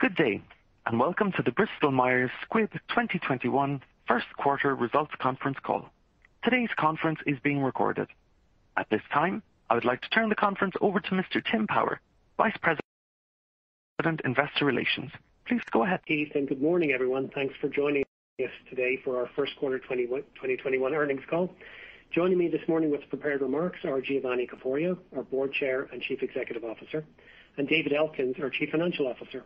Good day. Welcome to the Bristol Myers Squibb 2021 first quarter results conference call. Today's conference is being recorded. At this time, I would like to turn the conference over to Mr. Tim Power, Vice President, Investor Relations. Please go ahead. Thanks, Keith. Good morning, everyone. Thanks for joining us today for our first quarter 2021 earnings call. Joining me this morning with prepared remarks are Giovanni Caforio, our Board Chair and Chief Executive Officer, and David Elkins, our Chief Financial Officer.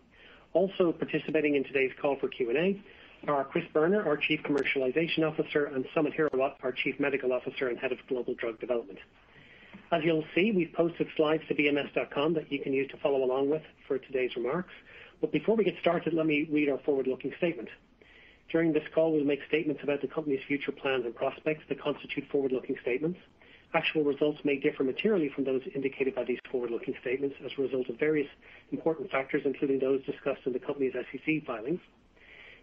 Also participating in today's call for Q&A are Christopher Boerner, our Chief Commercialization Officer, and Samit Hirawat, our Chief Medical Officer and Head of Global Drug Development. As you'll see, we've posted slides to bms.com that you can use to follow along with for today's remarks. Before we get started, let me read our forward-looking statement. During this call, we'll make statements about the company's future plans and prospects that constitute forward-looking statements. Actual results may differ materially from those indicated by these forward-looking statements as a result of various important factors, including those discussed in the company's SEC filings.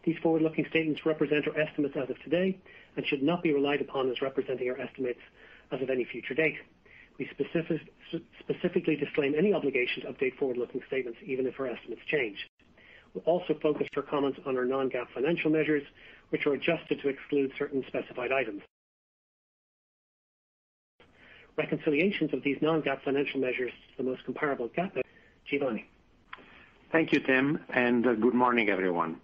These forward-looking statements represent our estimates as of today and should not be relied upon as representing our estimates as of any future date. We specifically disclaim any obligation to update forward-looking statements, even if our estimates change. We will also focus our comments on our non-GAAP financial measures, which are adjusted to exclude certain specified items. Reconciliations of these non-GAAP financial measures to the most comparable. Giovanni. Thank you, Tim. Good morning, everyone.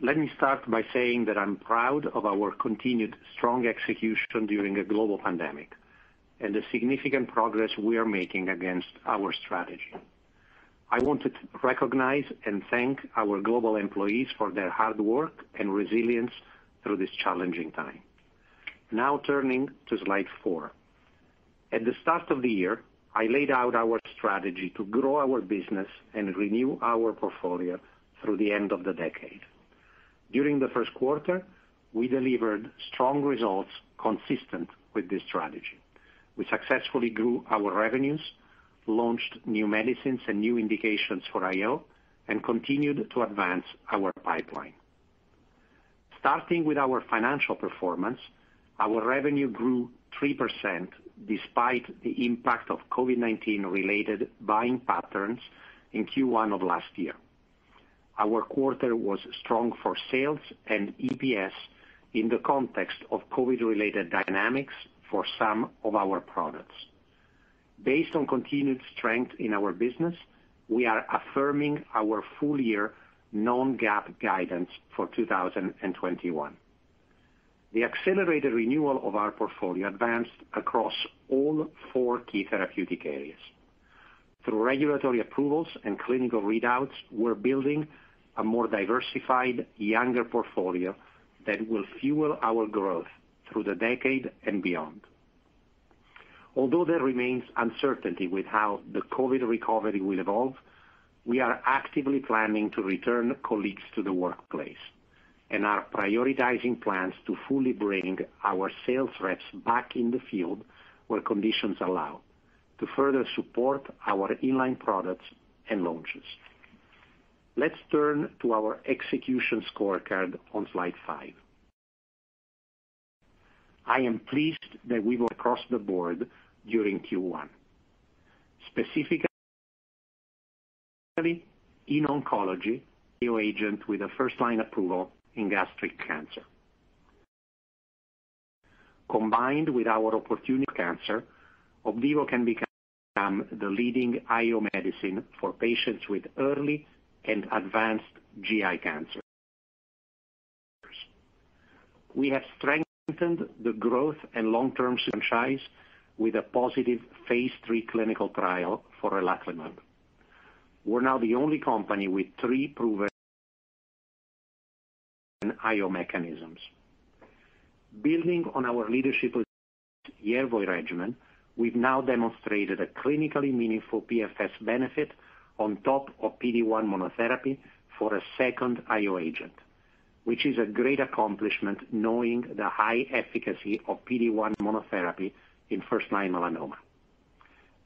Let me start by saying that I'm proud of our continued strong execution during a global pandemic and the significant progress we are making against our strategy. I want to recognize and thank our global employees for their hard work and resilience through this challenging time. Turning to slide four. At the start of the year, I laid out our strategy to grow our business and renew our portfolio through the end of the decade. During the first quarter, we delivered strong results consistent with this strategy. We successfully grew our revenues, launched new medicines and new indications for IO, and continued to advance our pipeline. Starting with our financial performance, our revenue grew 3% despite the impact of COVID-19 related buying patterns in Q1 of last year. Our quarter was strong for sales and EPS in the context of COVID-related dynamics for some of our products. Based on continued strength in our business, we are affirming our full-year non-GAAP guidance for 2021. The accelerated renewal of our portfolio advanced across all four key therapeutic areas. Through regulatory approvals and clinical readouts, we're building a more diversified, younger portfolio that will fuel our growth through the decade and beyond. There remains uncertainty with how the COVID recovery will evolve, we are actively planning to return colleagues to the workplace and are prioritizing plans to fully bring our sales reps back in the field where conditions allow to further support our in-line products and launches. Let's turn to our execution scorecard on slide five. I am pleased that we went across the board during Q1. Specifically, in oncology, Opdivo with a first-line approval in gastric cancer. Combined with our opportunity cancer, Opdivo can become the leading IO medicine for patients with early and advanced GI cancers. We have strengthened the growth and long-term franchise with a positive phase III clinical trial for relatlimab. We're now the only company with three proven IO mechanisms. Building on our leadership Yervoy regimen, we've now demonstrated a clinically meaningful PFS benefit on top of PD-1 monotherapy for a second IO agent, which is a great accomplishment knowing the high efficacy of PD-1 monotherapy in first-line melanoma.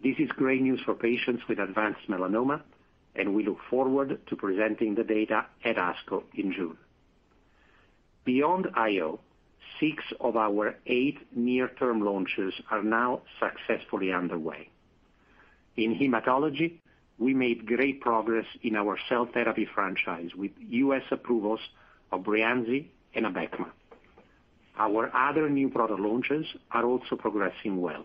This is great news for patients with advanced melanoma, and we look forward to presenting the data at ASCO in June. Beyond IO, six of our eight near-term launches are now successfully underway. In hematology, we made great progress in our cell therapy franchise with U.S. approvals of Breyanzi and Abecma. Our other new product launches are also progressing well.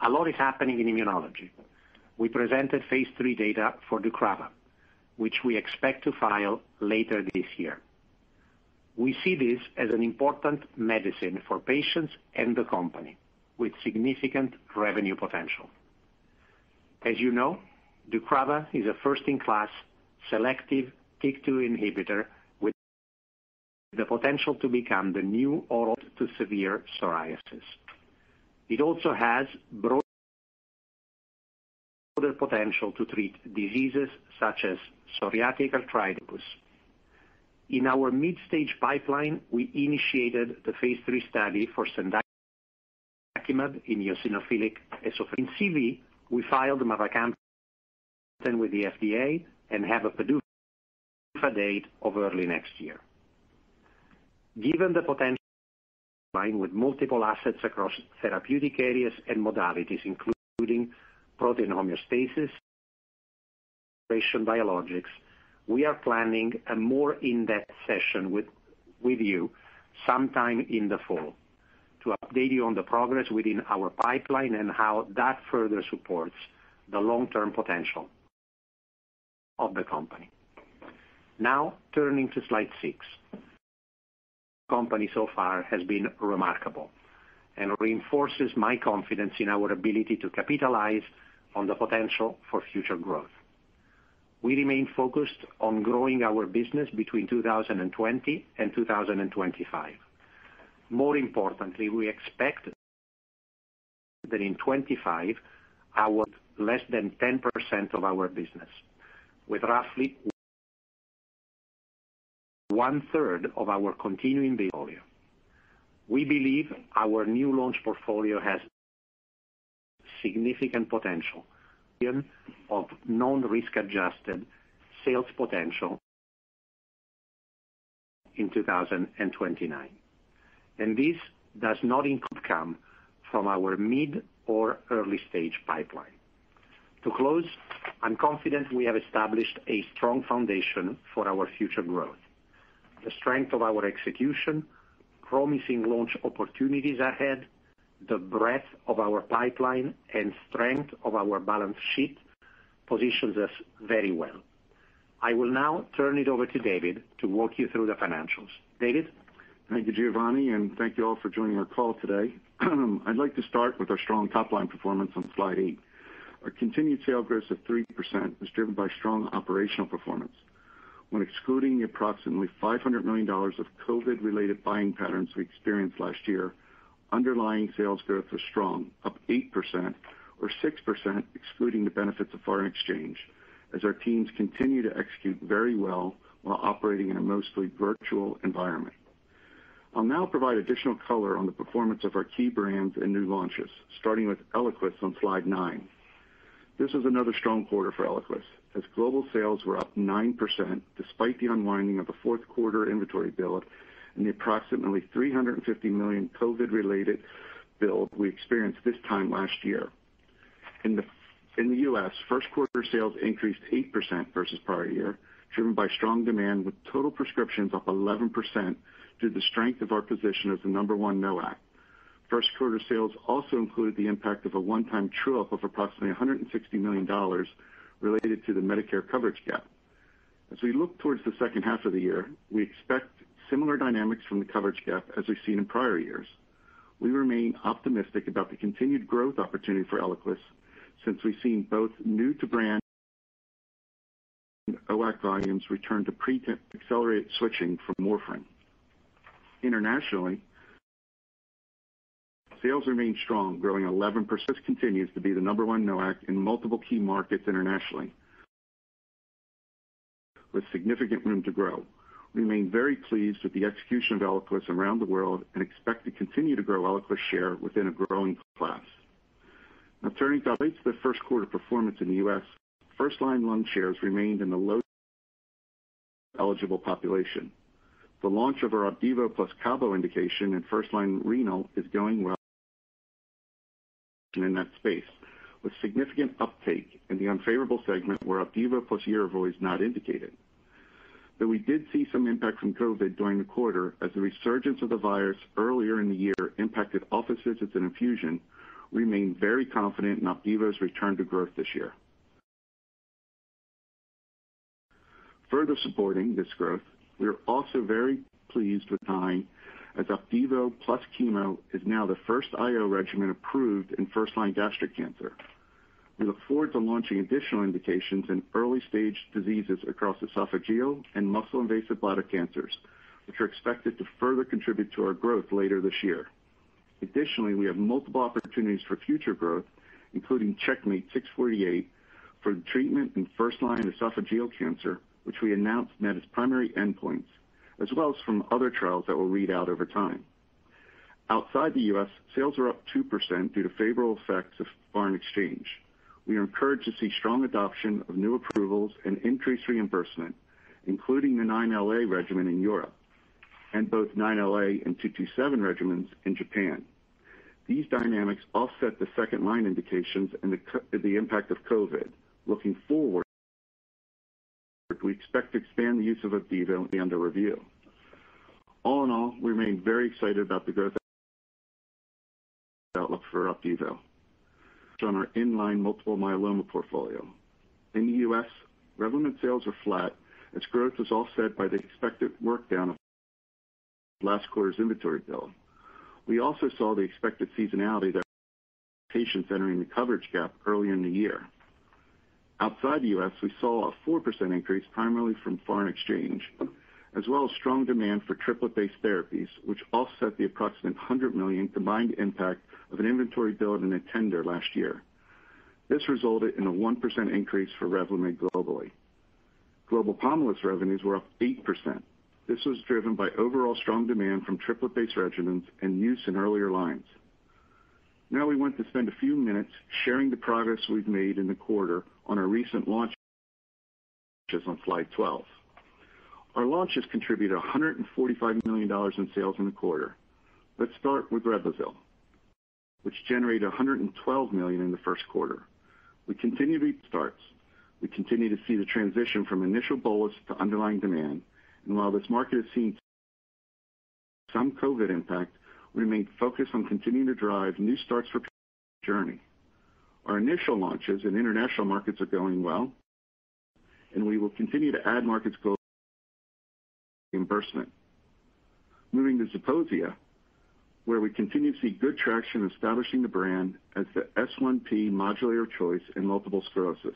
A lot is happening in immunology. We presented phase III data for deucravacitinib, which we expect to file later this year. We see this as an important medicine for patients and the company with significant revenue potential. As you know, deucravacitinib is a first-in-class selective TYK2 inhibitor with the potential to become the new oral to severe psoriasis. It also has broader potential to treat diseases such as psoriatic arthritis. In our mid-stage pipeline, we initiated the phase III study for cendakimab in eosinophilic esophagitis. In CV, we filed mavacamten with the FDA and have a PDUFA date of early next year. Given the potential with multiple assets across therapeutic areas and modalities, including protein homeostasis, biologics, we are planning a more in-depth session with you sometime in the fall to update you on the progress within our pipeline and how that further supports the long-term potential of the company. Turning to slide six. Company so far has been remarkable and reinforces my confidence in our ability to capitalize on the potential for future growth. We remain focused on growing our business between 2020 and 2025. We expect that in 2025, our less than 10% of our business, with roughly 1/3 of our continuing. We believe our new launch portfolio has significant potential of known risk-adjusted sales potential in 2029, and this does not include come from our mid or early-stage pipeline. I'm confident we have established a strong foundation for our future growth. The strength of our execution, promising launch opportunities ahead, the breadth of our pipeline, and strength of our balance sheet positions us very well. I will now turn it over to David to walk you through the financials. David? Thank you, Giovanni, and thank you all for joining our call today. I'd like to start with our strong top-line performance on slide eight. Our continued sales growth of 3% was driven by strong operational performance. When excluding approximately $500 million of COVID-related buying patterns we experienced last year, underlying sales growth was strong, up 8% or 6% excluding the benefits of foreign exchange, as our teams continue to execute very well while operating in a mostly virtual environment. I'll now provide additional color on the performance of our key brands and new launches, starting with Eliquis on slide nine. This is another strong quarter forEliquis, as global sales were up 9% despite the unwinding of the fourth quarter inventory build and the approximately $350 million COVID-related build we experienced this time last year. In the U.S., first quarter sales increased 8% versus prior year, driven by strong demand with total prescriptions up 11% due to the strength of our position as the number one NOAC. First quarter sales also included the impact of approximately $160 million related to the Medicare coverage gap. As we look towards the second half of the year, we expect similar dynamics from the coverage gap as we've seen in prior years. We remain optimistic about the continued growth opportunity for Eliquis since we've seen both new to brand NOAC volumes return to pre-accelerate switching from warfarin. Internationally, sales remain strong, growing 11% continues to be the number one NOAC in multiple key markets internationally with significant room to grow. We remain very pleased with the execution of Eliquis around the world and expect to continue to grow Eliquis share within a growing class. Turning to the first quarter performance in the U.S., first-line lung shares remained in the low eligible population. The launch of our Opdivo plus cabo indication in first-line renal is going well in that space with significant uptake in the unfavorable segment where Opdivo plus Yervoy is not indicated. We did see some impact from COVID during the quarter as the resurgence of the virus earlier in the year impacted office visits and infusion. We remain very confident in Opdivo's return to growth this year. Further supporting this growth, we are also very pleased with time as Opdivo plus chemo is now the first IO regimen approved in first-line gastric cancer. We look forward to launching additional indications in early-stage diseases across esophageal and muscle-invasive bladder cancers, which are expected to further contribute to our growth later this year. Additionally, we have multiple opportunities for future growth, including CheckMate-648 for the treatment in first-line esophageal cancer, which we announced met its primary endpoints, as well as from other trials that will read out over time. Outside the U.S., sales are up 2% due to favorable effects of foreign exchange. We are encouraged to see strong adoption of new approvals and increased reimbursement, including the 9LA regimen in Europe and both 9LA and 227 regimens in Japan. These dynamics offset the second line indications and the impact of COVID. Looking forward, we expect to expand the use of Opdivo be under review. All in all, we remain very excited about the growth outlook for Opdivo on our in-line multiple myeloma portfolio. In the U.S., Revlimid sales are flat, as growth was offset by the expected workdown of last quarter's inventory build. We also saw the expected seasonality that patients entering the coverage gap early in the year. Outside the U.S., we saw a 4% increase primarily from foreign exchange, as well as strong demand for triplet-based therapies, which offset the approximate $100 million combined impact of an inventory build and a tender last year. This resulted in a 1% increase for Revlimid globally. Global Pomalyst revenues were up 8%. This was driven by overall strong demand from triplet-based regimens and use in earlier lines. We want to spend a few minutes sharing the progress we've made in the quarter on our recent launch, which is on slide 12. Our launches contributed $145 million in sales in the quarter. Let's start with Reblozyl, which generated $112 million in the first quarter. We continue to see the transition from initial bolus to underlying demand. While this market is seeing some COVID impact, we remain focused on continuing to drive new starts for journey. Our initial launches in international markets are going well. We will continue to add markets globally reimbursement. Moving to Zeposia, where we continue to see good traction establishing the brand as the S1P modulator of choice in multiple sclerosis.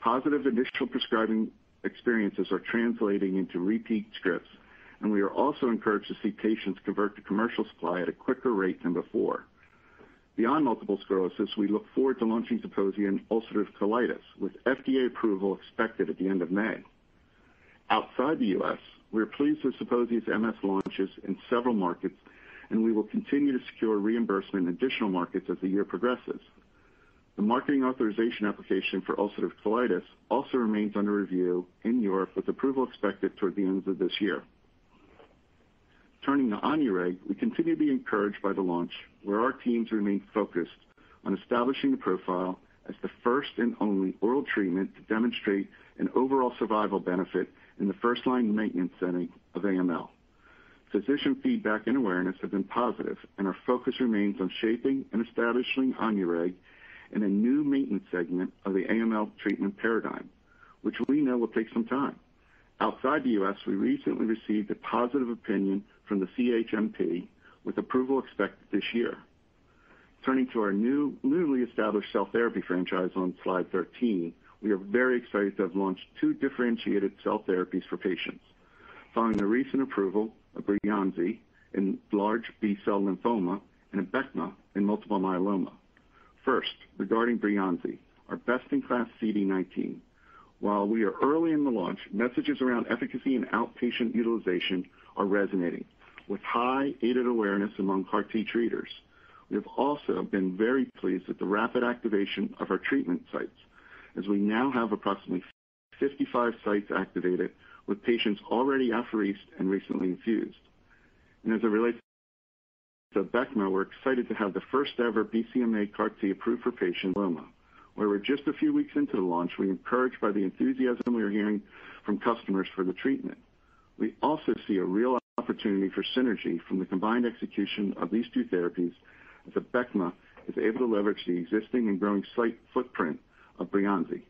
Positive initial prescribing experiences are translating into repeat scripts. We are also encouraged to see patients convert to commercial supply at a quicker rate than before. Beyond multiple sclerosis, we look forward to launching Zeposia in ulcerative colitis, with FDA approval expected at the end of May. Outside the U.S., we are pleased with Zeposia's MS launches in several markets. We will continue to secure reimbursement in additional markets as the year progresses. The marketing authorization application for ulcerative colitis also remains under review in Europe, with approval expected toward the end of this year. Turning to Onureg, we continue to be encouraged by the launch, where our teams remain focused on establishing a profile as the first and only oral treatment to demonstrate an overall survival benefit in the first-line maintenance setting of AML. Physician feedback and awareness have been positive, and our focus remains on shaping and establishing Onureg in a new maintenance segment of the AML treatment paradigm, which we know will take some time. Outside the U.S., we recently received a positive opinion from the CHMP, with approval expected this year. Turning to our newly established cell therapy franchise on Slide 13, we are very excited to have launched two differentiated cell therapies for patients. Following the recent approval of Breyanzi in large B-cell lymphoma and Abecma in multiple myeloma. Regarding Breyanzi, our best-in-class CD19. While we are early in the launch, messages around efficacy and outpatient utilization are resonating, with high aided awareness among CAR T treaters. We have also been very pleased with the rapid activation of our treatment sites, as we now have approximately 55 sites activated, with patients already apheresed and recently infused. As it relates to Abecma, we're excited to have the first ever BCMA CAR T approved for patients with myeloma. Where we're just a few weeks into the launch, we're encouraged by the enthusiasm we are hearing from customers for the treatment. We also see a real opportunity for synergy from the combined execution of these two therapies, as Abecma is able to leverage the existing and growing site footprint of Breyanzi.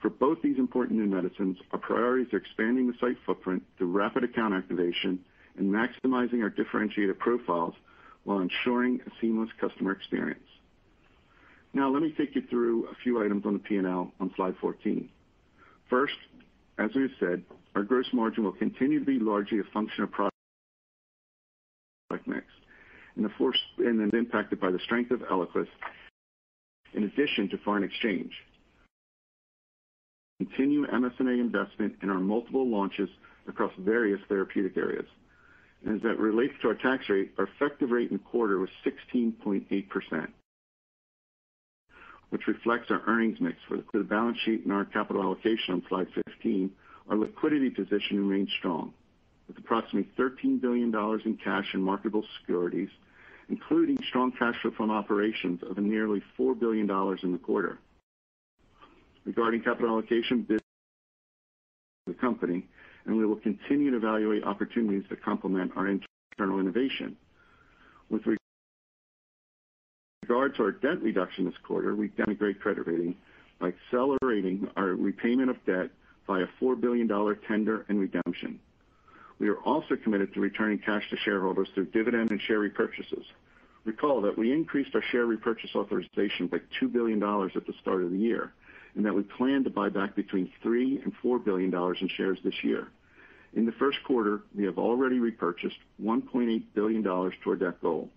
For both these important new medicines, our priorities are expanding the site footprint through rapid account activation and maximizing our differentiator profiles while ensuring a seamless customer experience. Now, let me take you through a few items on the P&L on slide 14. First, as we've said, our gross margin will continue to be largely a function of product mix, and then impacted by the strength of ELIQUIS, in addition to foreign exchange. Continue MS&A investment in our multiple launches across various therapeutic areas. As that relates to our tax rate, our effective rate in the quarter was 16.8%, which reflects our earnings mix for the balance sheet and our capital allocation on slide 16. Our liquidity position remains strong, with approximately $13 billion in cash and marketable securities, including strong cash flow from operations of nearly $4 billion in the quarter. Regarding capital allocation, business the company, and we will continue to evaluate opportunities that complement our internal innovation. With regards to our debt reduction this quarter, we improved credit rating by accelerating our repayment of debt by a $4 billion tender and redemption. We are also committed to returning cash to shareholders through dividend and share repurchases. Recall that we increased our share repurchase authorization by $2 billion at the start of the year, and that we plan to buy back between $3 billion-$4 billion in shares this year. In the first quarter, we have already repurchased $1.8 billion to our debt goal,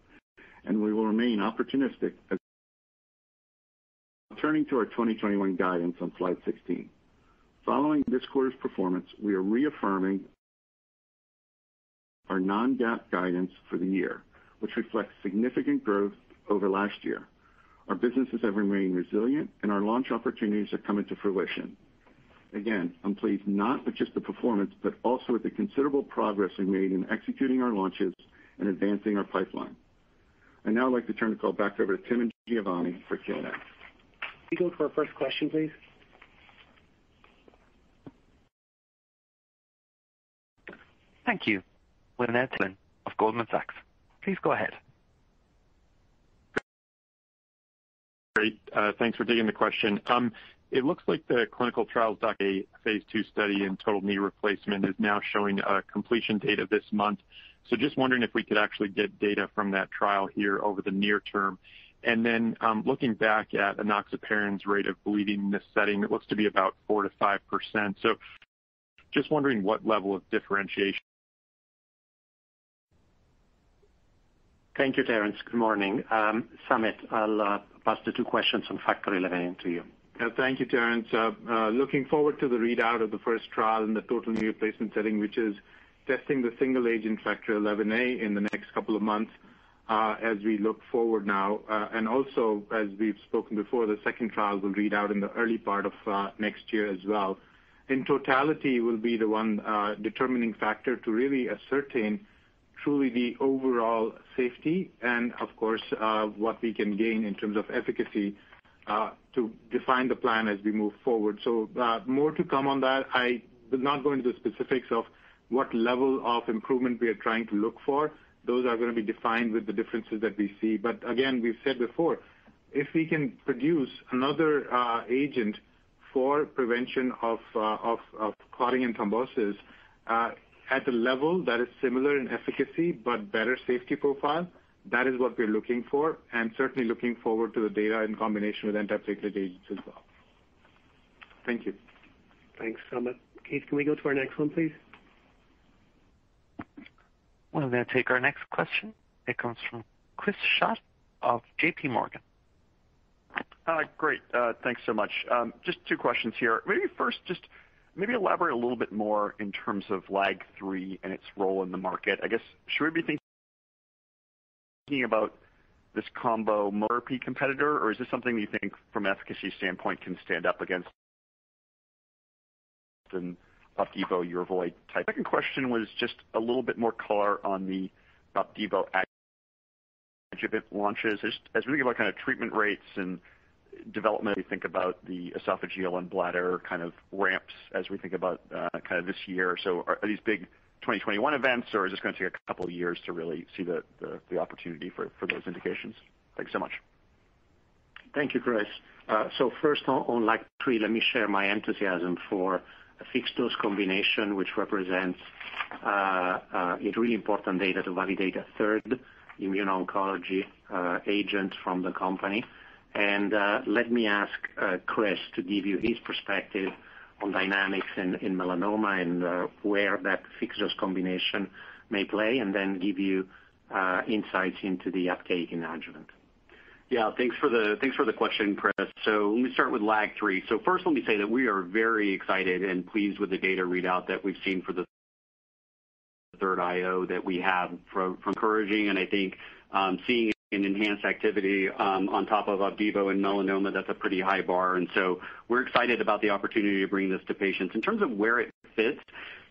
and we will remain opportunistic. Turning to our 2021 guidance on slide 16. Following this quarter's performance, we are reaffirming our non-GAAP guidance for the year, which reflects significant growth over last year. Our businesses have remained resilient and our launch opportunities have come into fruition. I'm pleased not with just the performance, but also with the considerable progress we've made in executing our launches and advancing our pipeline. I'd now like to turn the call back over to Tim and Giovanni for Q&A. Can we go to our first question, please? Thank you. Goldman Sachs. Please go ahead. Great. Thanks for taking the question. It looks like the clinicaltrials.gov A phase II study in total knee replacement is now showing a completion date of this month. Just wondering if we could actually get data from that trial here over the near term. Looking back at enoxaparin's rate of bleeding in this setting, it looks to be about 4%-5%. Just wondering what level of differentiation. Thank you, Tim. Good morning. Samit, I'll pass the two questions on Factor XI to you. Thank you, Terrence. Looking forward to the readout of the first trial in the total knee replacement setting, which is testing the single agent Factor XIa in the next couple of months as we look forward now, and also as we've spoken before, the second trial will read out in the early part of next year as well. In totality will be the one determining factor to really ascertain truly the overall safety and, of course, what we can gain in terms of efficacy to define the plan as we move forward. More to come on that. I will not go into the specifics of what level of improvement we are trying to look for. Those are going to be defined with the differences that we see. Again, we've said before, if we can produce another agent for prevention of clotting and thrombosis at a level that is similar in efficacy but better safety profile, that is what we're looking for, and certainly looking forward to the data in combination with antiplatelet agents as well. Thank you. Thanks, Samit. Keith, can we go to our next one, please? We're going to take our next question. It comes from Chris Schott of JPMorgan. Great. Thanks so much. Just two questions here. Maybe first just elaborate a little bit more in terms of LAG-3 and its role in the market. I guess, should we be thinking about this combo monotherapy competitor, or is this something that you think from efficacy standpoint can stand up against an Opdivo Yervoy type? Second question was just a little bit more color on the Opdivo adjuvant launches. As we think about kind of treatment rates and development, we think about the esophageal and bladder kind of ramps as we think about kind of this year. Are these big 2021 events, or is this going to take a couple of years to really see the opportunity for those indications? Thanks so much. Thank you, Chris. First on LAG-3, let me share my enthusiasm for a fixed-dose combination, which represents a really important data to validate a third immuno-oncology agent from the company. Let me ask Chris to give you his perspective on dynamics in melanoma and where that fixed-dose combination may play, and then give you insights into the uptake in adjuvant. Yeah. Thanks for the question, Chris. Let me start with LAG-3. First let me say that we are very excited and pleased with the data readout that we've seen for the third IO that we have from encouraging, and I think seeing an enhanced activity on top of Opdivo in melanoma, that's a pretty high bar. We're excited about the opportunity to bring this to patients. In terms of where it fits,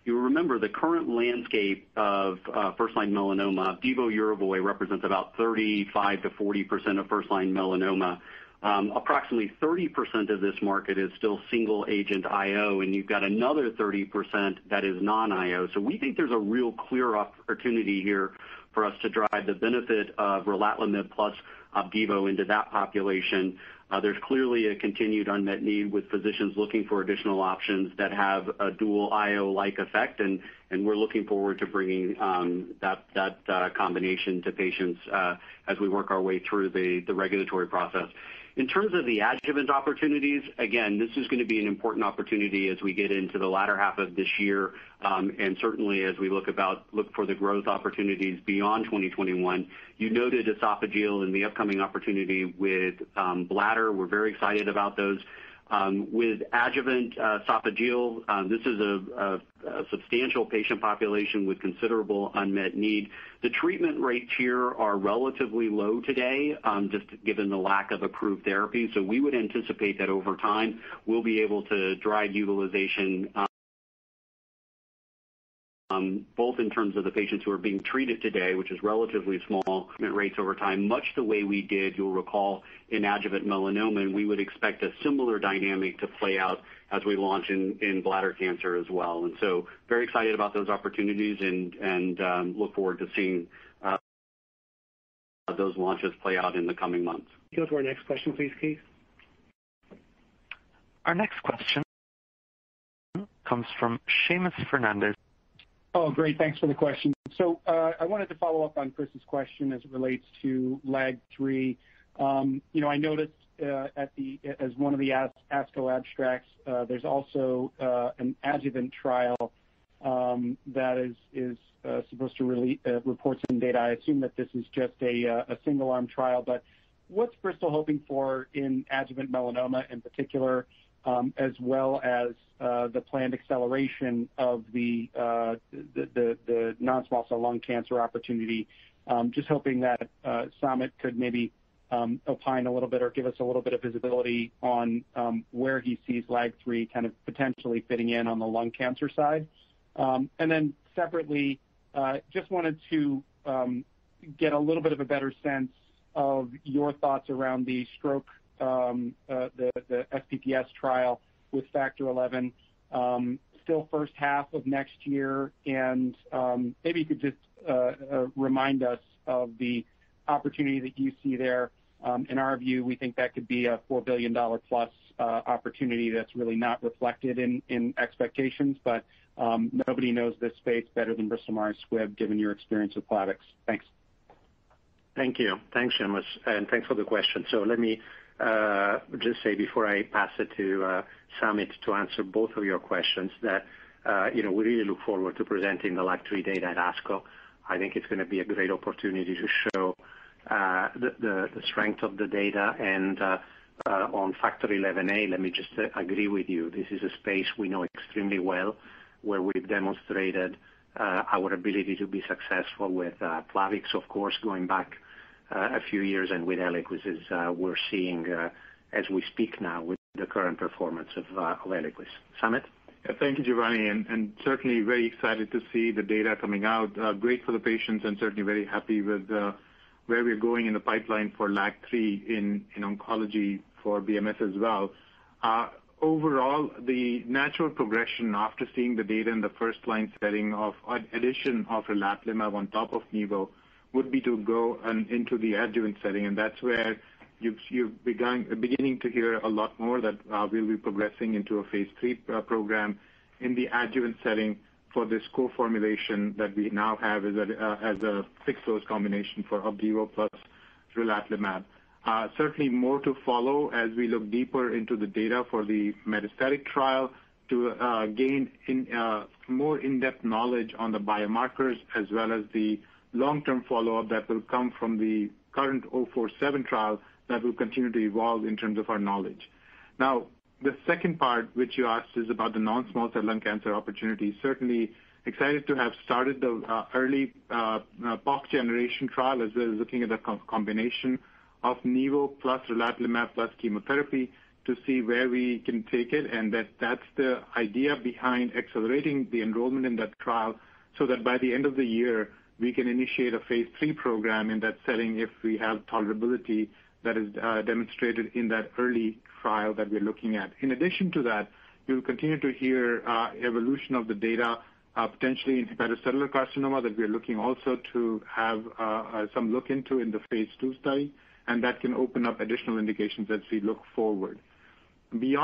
you'll remember the current landscape of first-line melanoma, Opdivo Yervoy represents about 35%-40% of first-line melanoma. Approximately 30% of this market is still single agent IO, and you've got another 30% that is non-IO. We think there's a real clear opportunity here for us to drive the benefit of Relatlimab plus Opdivo into that population. There's clearly a continued unmet need with physicians looking for additional options that have a dual IO-like effect, and we're looking forward to bringing that combination to patients as we work our way through the regulatory process. In terms of the adjuvant opportunities, again, this is going to be an important opportunity as we get into the latter half of this year, and certainly as we look for the growth opportunities beyond 2021. You noted esophageal and the upcoming opportunity with bladder. We're very excited about those. With adjuvant esophageal, this is a substantial patient population with considerable unmet need. The treatment rates here are relatively low today, just given the lack of approved therapy. We would anticipate that over time, we'll be able to drive utilization both in terms of the patients who are being treated today, which is relatively small, rates over time, much the way we did, you'll recall, in adjuvant melanoma, we would expect a similar dynamic to play out as we launch in bladder cancer as well. Very excited about those opportunities and look forward to seeing those launches play out in the coming months. Can we go to our next question, please, Keith? Our next question comes from Seamus Fernandez. Great. Thanks for the question. I wanted to follow up on Chris's question as it relates to LAG-3. I noticed as one of the ASCO abstracts, there's also an adjuvant trial that is supposed to report some data. I assume that this is just a single-arm trial. What's Bristol hoping for in adjuvant melanoma in particular, as well as the planned acceleration of the non-small cell lung cancer opportunity? Just hoping that Samit could maybe opine a little bit or give us a little bit of visibility on where he sees LAG-3 kind of potentially fitting in on the lung cancer side. Separately, just wanted to get a little bit of a better sense of your thoughts around the stroke, the SPP trial with Factor XI. Still first half of next year, and maybe you could just remind us of the opportunity that you see there. In our view, we think that could be a $4 billion+ opportunity that's really not reflected in expectations, but nobody knows this space better than Bristol Myers Squibb given your experience with Plavix. Thanks. Thank you. Thanks, Seamus Fernandez. Thanks for the question. Let me just say before I pass it to Samit Hirawat to answer both of your questions that we really look forward to presenting the LAG-3 data at ASCO. I think it's going to be a great opportunity to show the strength of the data. On Factor XIa, let me just agree with you. This is a space we know extremely well, where we've demonstrated our ability to be successful with Plavix, of course, going back a few years, and with Eliquis, as we're seeing as we speak now with the current performance of Eliquis. Samit Hirawat? Thank you, Giovanni, and certainly very excited to see the data coming out. Great for the patients and certainly very happy with where we're going in the pipeline for LAG-3 in oncology for BMS as well. Overall, the natural progression after seeing the data in the first line setting of addition of Relatlimab on top of nivolumab would be to go into the adjuvant setting. That's where you're beginning to hear a lot more that we'll be progressing into a phase III program in the adjuvant setting for this co-formulation that we now have as a fixed-dose combination for Opdivo plus Relatlimab. Certainly more to follow as we look deeper into the data for the metastatic trial to gain more in-depth knowledge on the biomarkers as well as the long-term follow-up that will come from the current RELATIVITY-047 trial that will continue to evolve in terms of our knowledge. The second part which you asked is about the non-small cell lung cancer opportunity. Certainly excited to have started the early box generation trial as we're looking at the combination of nivolumab plus relatlimab plus chemotherapy to see where we can take it, and that's the idea behind accelerating the enrollment in that trial, so that by the end of the year, we can initiate a phase III program in that setting if we have tolerability that is demonstrated in that early trial that we're looking at. In addition to that, you'll continue to hear evolution of the data potentially in hepatocellular carcinoma that we're looking also to have some look into in the phase II study, and that can open up additional indications as we look forward. In the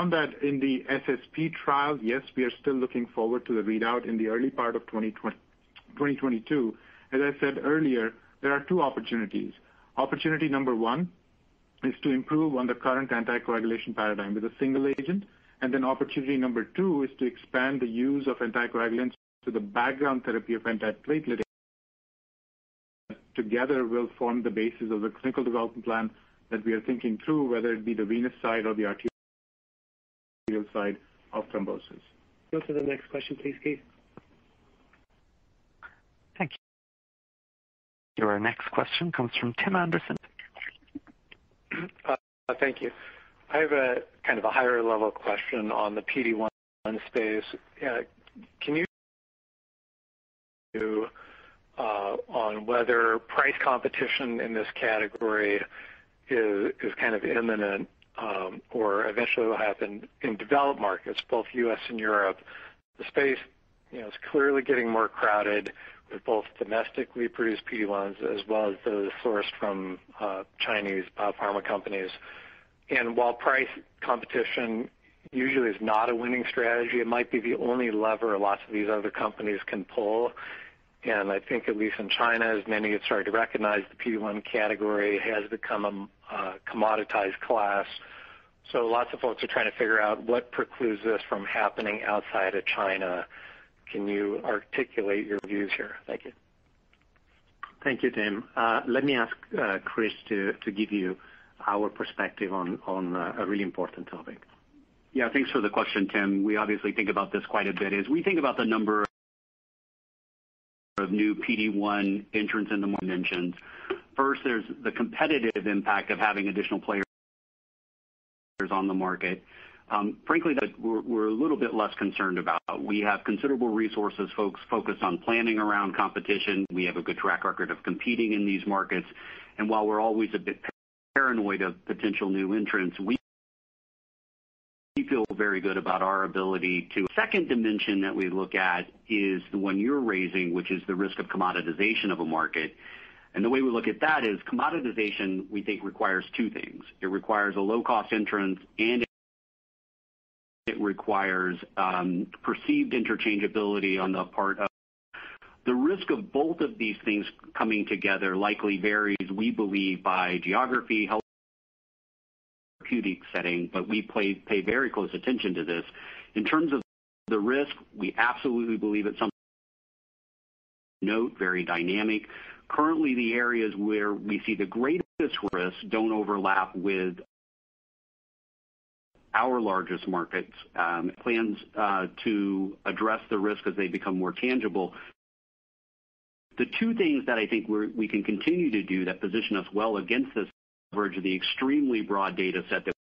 SSP trial, yes, we are still looking forward to the readout in the early part of 2022. As I said earlier, there are two opportunities. Opportunity number one is to improve on the current anticoagulation paradigm with a single agent. Opportunity number two is to expand the use of anticoagulants to the background therapy of antiplatelet together will form the basis of a clinical development plan that we are thinking through, whether it be the venous side or the arterial side of thrombosis. Go to the next question, please, Keith. Thank you. Your next question comes from Tim Anderson. Thank you. I have a higher-level question on the PD-1 space. On whether price competition in this category is imminent or eventually will happen in developed markets, both U.S. and Europe? The space is clearly getting more crowded with both domestically produced PD-1s as well as those sourced from Chinese pharma companies. While price competition usually is not a winning strategy, it might be the only lever lots of these other companies can pull. I think at least in China, as many have started to recognize, the PD-1 category has become a commoditized class. Lots of folks are trying to figure out what precludes this from happening outside of China. Can you articulate your views here? Thank you. Thank you, Tim. Let me ask Chris to give you our perspective on a really important topic. Yeah. Thanks for the question, Tim. We obviously think about this quite a bit. As we think about the number of new PD-1 entrants in the mentioned. First, there's the competitive impact of having additional players on the market. Frankly, that we're a little bit less concerned about. We have considerable resources focused on planning around competition. We have a good track record of competing in these markets. While we're always a bit paranoid of potential new entrants, we feel very good about our ability to. Second dimension that we look at is the one you're raising, which is the risk of commoditization of a market. The way we look at that is commoditization, we think, requires two things. It requires a low-cost entrant, and it requires perceived interchangeability on the part of. The risk of both of these things coming together likely varies, we believe, by geography, health therapeutic setting. We pay very close attention to this. In terms of the risk, we absolutely believe it's something to note, very dynamic. Currently, the areas where we see the greatest risk don't overlap with our largest markets. Plans to address the risk as they become more tangible. The two things that I think we can continue to do that position us well against this leverage the extremely broad data set that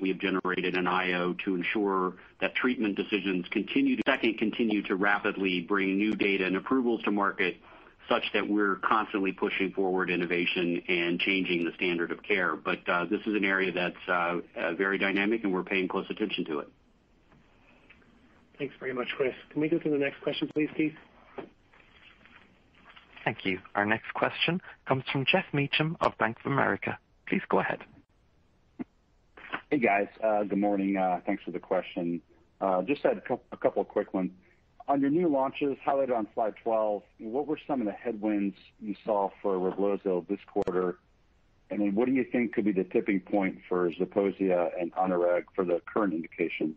we have generated in IO to ensure that treatment decisions continue to. Second, continue to rapidly bring new data and approvals to market such that we're constantly pushing forward innovation and changing the standard of care. This is an area that's very dynamic, and we're paying close attention to it. Thanks very much, Chris. Can we go to the next question, please, Keith? Thank you. Our next question comes from Geoff Meacham of Bank of America. Please go ahead. Hey guys, good morning. Thanks for the question. Just had a couple of quick ones. On your new launches highlighted on slide 12, what were some of the headwinds you saw for Revlimid this quarter? What do you think could be the tipping point for Zeposia and Onureg for the current indications?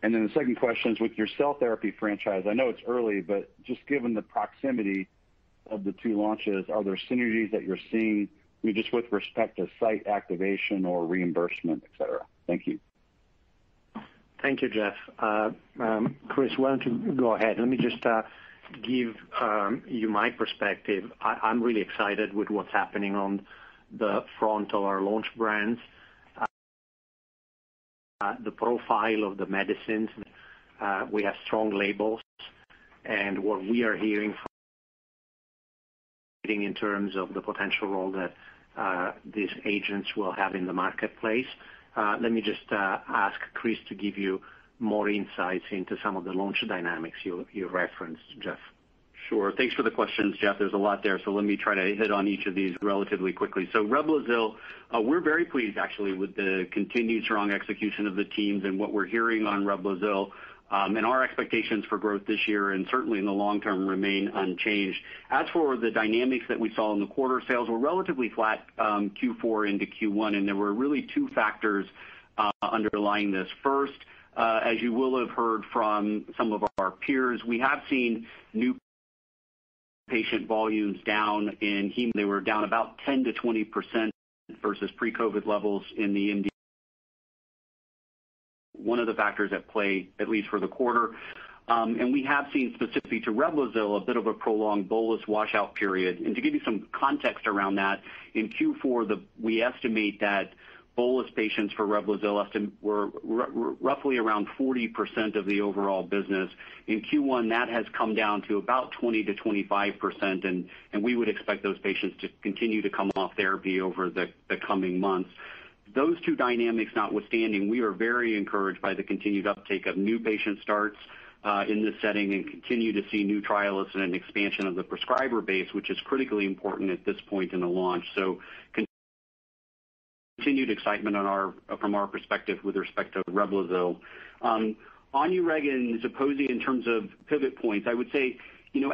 The second question is with your cell therapy franchise, I know it's early, but just given the proximity of the two launches, are there synergies that you're seeing, just with respect to site activation or reimbursement, et cetera? Thank you. Thank you, Geoff. Chris, why don't you go ahead? Let me just give you my perspective. I'm really excited with what's happening on the front of our launch brands. The profile of the medicines, we have strong labels. What we are hearing from leading in terms of the potential role that these agents will have in the marketplace. Let me just ask Chris to give you more insights into some of the launch dynamics you referenced, Geoff. Sure. Thanks for the questions, Geoff. There's a lot there, so let me try to hit on each of these relatively quickly. Revlimid, we're very pleased actually with the continued strong execution of the teams and what we're hearing on Revlimid. Our expectations for growth this year and certainly in the long term remain unchanged. As for the dynamics that we saw in the quarter, sales were relatively flat Q4 into Q1, and there were really two factors underlying this. First, as you will have heard from some of our peers, we have seen new patient volumes down in hemo. They were down about 10%-20% versus pre-COVID levels in the MD, one of the factors at play, at least for the quarter. We have seen specifically to Revlimid, a bit of a prolonged bolus washout period. To give you some context around that, in Q4, we estimate that bolus patients for Revlimid were roughly around 40% of the overall business. In Q1, that has come down to about 20%-25%, and we would expect those patients to continue to come off therapy over the coming months. Those two dynamics notwithstanding, we are very encouraged by the continued uptake of new patient starts in this setting and continue to see new trialers and an expansion of the prescriber base, which is critically important at this point in the launch. Continued excitement from our perspective with respect to Revlimid. Onureg and Zeposia in terms of pivot points, I would say,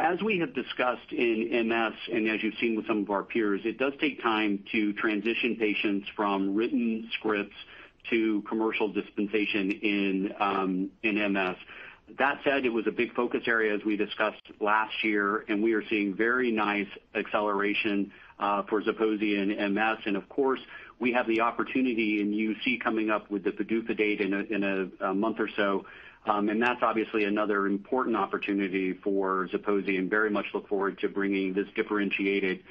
as we have discussed in MS, and as you've seen with some of our peers, it does take time to transition patients from written scripts to commercial dispensation in MS. That said, it was a big focus area as we discussed last year. We are seeing very nice acceleration for Zeposia in MS. Of course, we have the opportunity and you see coming up with the PDUFA date in a month or so. That's obviously another important opportunity for Zeposia and very much look forward to bringing this differentiated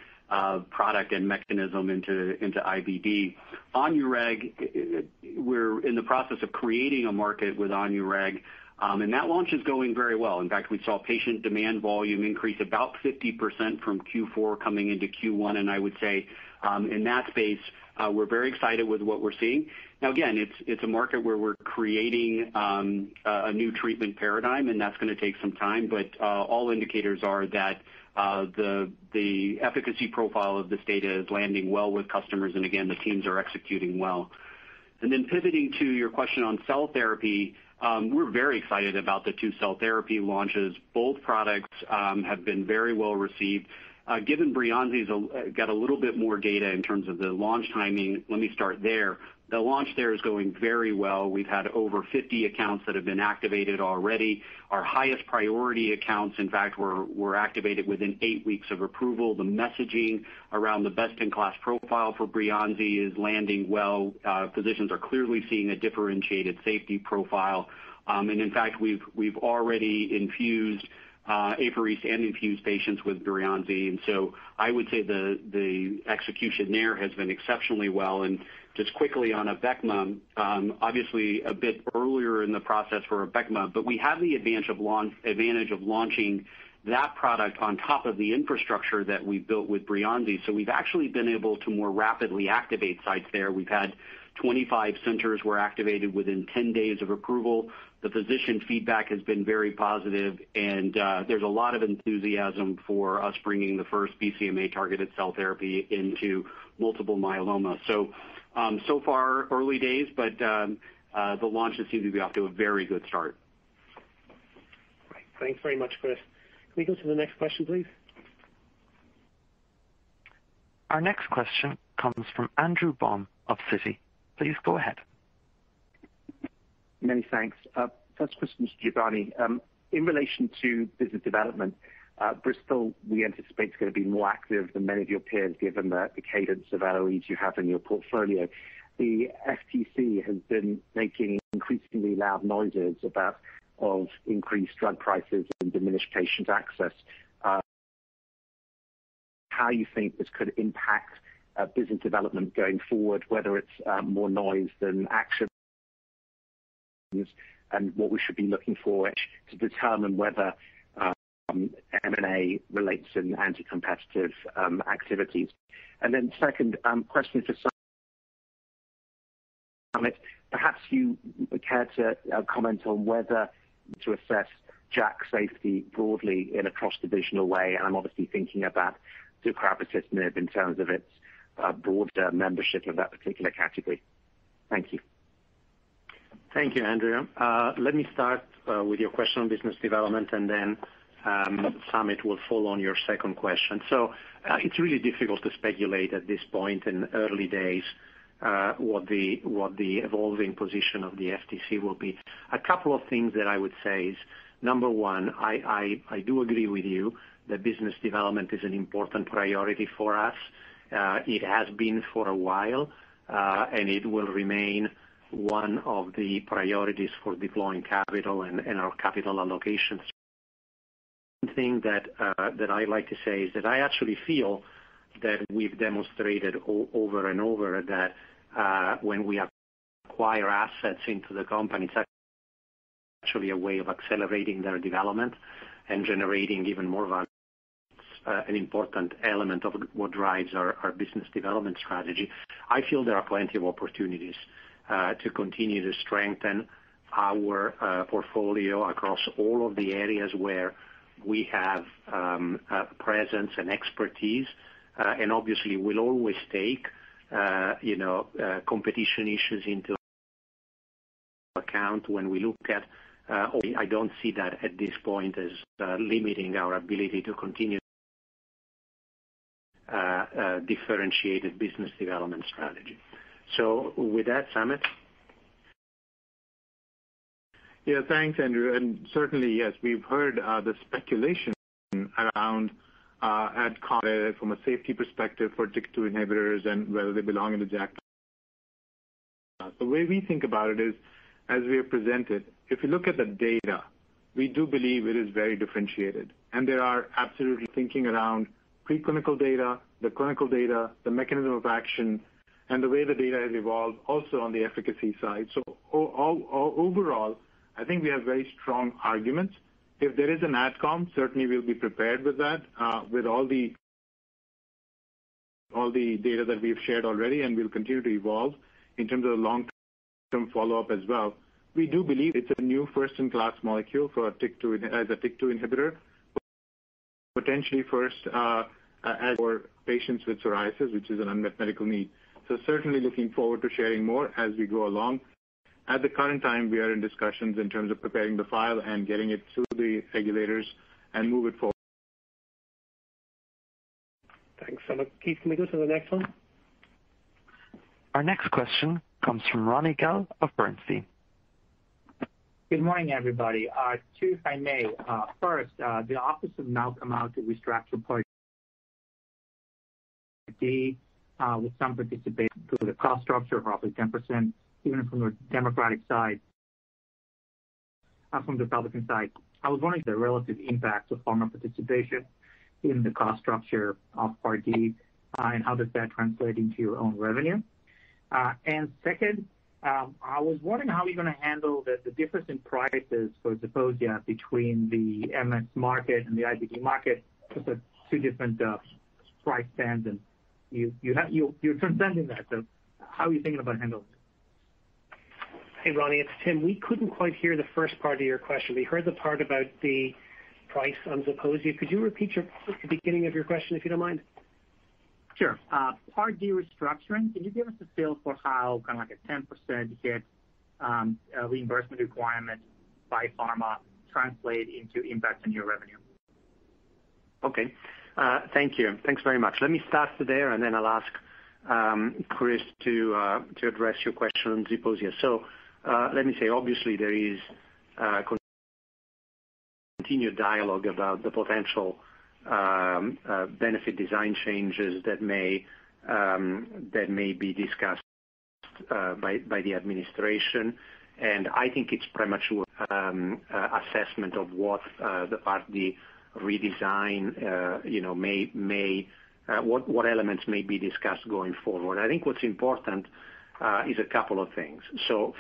product and mechanism into IBD. Onureg, we're in the process of creating a market with Onureg, and that launch is going very well. In fact, we saw patient demand volume increase about 50% from Q4 coming into Q1. I would say, in that space, we're very excited with what we're seeing. Again, it's a market where we're creating a new treatment paradigm, that's going to take some time, all indicators are that the efficacy profile of this data is landing well with customers, again, the teams are executing well. Then pivoting to your question on cell therapy, we're very excited about the two cell therapy launches. Both products have been very well received. Given Breyanzi's got a little bit more data in terms of the launch timing, let me start there. The launch there is going very well. We've had over 50 accounts that have been activated already. Our highest priority accounts, in fact, were activated within eight weeks of approval. The messaging around the best-in-class profile for Breyanzi is landing well. Physicians are clearly seeing a differentiated safety profile. In fact, we've already infused apheresis and infused patients with Breyanzi, and so I would say the execution there has been exceptionally well. Just quickly on Abecma, obviously a bit earlier in the process for Abecma, but we have the advantage of launching that product on top of the infrastructure that we built with Breyanzi. We've actually been able to more rapidly activate sites there. We've had 25 centers were activated within 10 days of approval. The physician feedback has been very positive, and there's a lot of enthusiasm for us bringing the first BCMA-targeted cell therapy into multiple myeloma. Far, early days, but the launches seem to be off to a very good start. Great. Thanks very much, Chris. Can we go to the next question, please? Our next question comes from Andrew Baum of Citi. Please go ahead. Many thanks. First question is to Giovanni. In relation to business development, Bristol, we anticipate is going to be more active than many of your peers given the cadence of LOEs you have in your portfolio. The FTC has been making increasingly loud noises of increased drug prices and diminished patients' access. How you think this could impact business development going forward, whether it's more noise than action? What we should be looking for to determine whether M&A relates in anti-competitive activities. Second question for Samit. Perhaps you would care to comment on whether to assess JAK safety broadly in a cross-divisional way. I'm obviously thinking about deucravacitinib in terms of its broader membership of that particular category. Thank you. Thank you, Andrew. Let me start with your question on business development, and then Samit will follow on your second question. It's really difficult to speculate at this point in the early days what the evolving position of the FTC will be. A couple of things that I would say is, number one, I do agree with you that business development is an important priority for us. It has been for a while, and it will remain one of the priorities for deploying capital and our capital allocation. One thing that I like to say is that I actually feel that we've demonstrated over and over that when we acquire assets into the company, it's actually a way of accelerating their development and generating even more value. It's an important element of what drives our business development strategy. I feel there are plenty of opportunities to continue to strengthen our portfolio across all of the areas where we have presence and expertise, and obviously we'll always take competition issues into account when we look at. I don't see that at this point as limiting our ability to continue differentiated business development strategy. So with that, Samit. Yeah. Thanks, Andrew. Certainly, yes, we've heard the speculation around ad com from a safety perspective for TYK2 inhibitors and whether they belong in the JAK. The way we think about it is, as we have presented, if you look at the data, we do believe it is very differentiated. There are absolutely thinking around pre-clinical data, the clinical data, the mechanism of action, and the way the data has evolved also on the efficacy side. Overall, I think we have very strong arguments. If there is an ad com, certainly we'll be prepared with that, with all the data that we've shared already and will continue to evolve in terms of the long-term follow-up as well. We do believe it's a new first-in-class molecule as a TYK2 inhibitor, potentially first for patients with psoriasis, which is an unmet medical need. Certainly looking forward to sharing more as we go along. At the current time, we are in discussions in terms of preparing the file and getting it to the regulators and move it forward. Thanks Samit. Keith, can we go to the next one? Our next question comes from Ronny Gal of Bernstein. Good morning, everybody. Two, if I may. First, the office have now come out to restructure Part D with some participation through the cost structure of roughly 10%, even from the Democratic side, from the Republican side. I was wondering the relative impact of pharma participation in the cost structure of Part D and how does that translate into your own revenue. Second, I was wondering how you're going to handle the difference in prices for Zeposia between the MS market and the IBD market with the two different price bands and you're transcending that. How are you thinking about handling it? Hey, Ronny, it's Tim. We couldn't quite hear the first part of your question. We heard the part about the price on Zeposia. Could you repeat the beginning of your question, if you don't mind? Sure. Part D restructuring, can you give us a feel for how kind of like a 10% hit reimbursement requirement by pharma translate into impact on your revenue? Okay. Thank you. Thanks very much. Let me start there and then I'll ask Chris to address your question on Zeposia. Let me say, obviously there is continued dialogue about the potential benefit design changes that may be discussed by the administration. I think it's premature assessment of what the Part D redesign, what elements may be discussed going forward. I think what's important is a couple of things.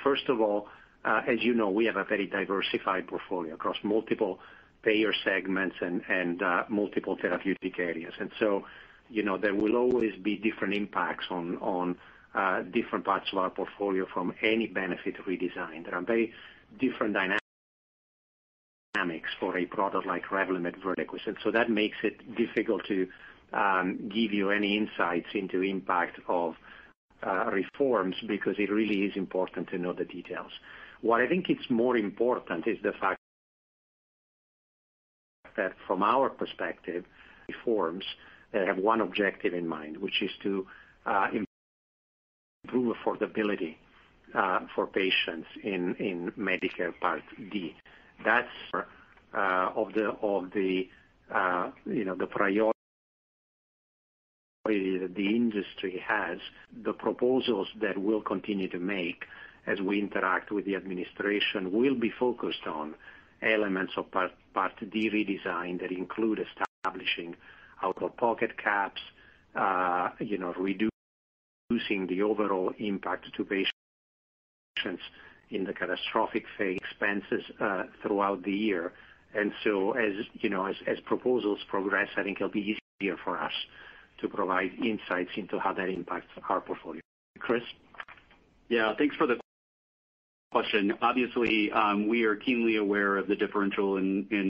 First of all, as you know, we have a very diversified portfolio across multiple payer segments and multiple therapeutic areas. There will always be different impacts on different parts of our portfolio from any benefit redesign. There are very different dynamics for a product like Revlimid, Verquvo. That makes it difficult to give you any insights into impact of reforms because it really is important to know the details. What I think is more important is the fact that from our perspective, reforms have one objective in mind, which is to improve affordability for patients in Medicare Part D. That's of the priority that the industry has. The proposals that we'll continue to make as we interact with the administration will be focused on elements of Part D redesign that include establishing out-of-pocket caps, reducing the overall impact to patients in the catastrophic phase, expenses throughout the year. As proposals progress, I think it'll be easier for us to provide insights into how that impacts our portfolio. Chris? Yeah. Thanks for the question. Obviously, we are keenly aware of the differential in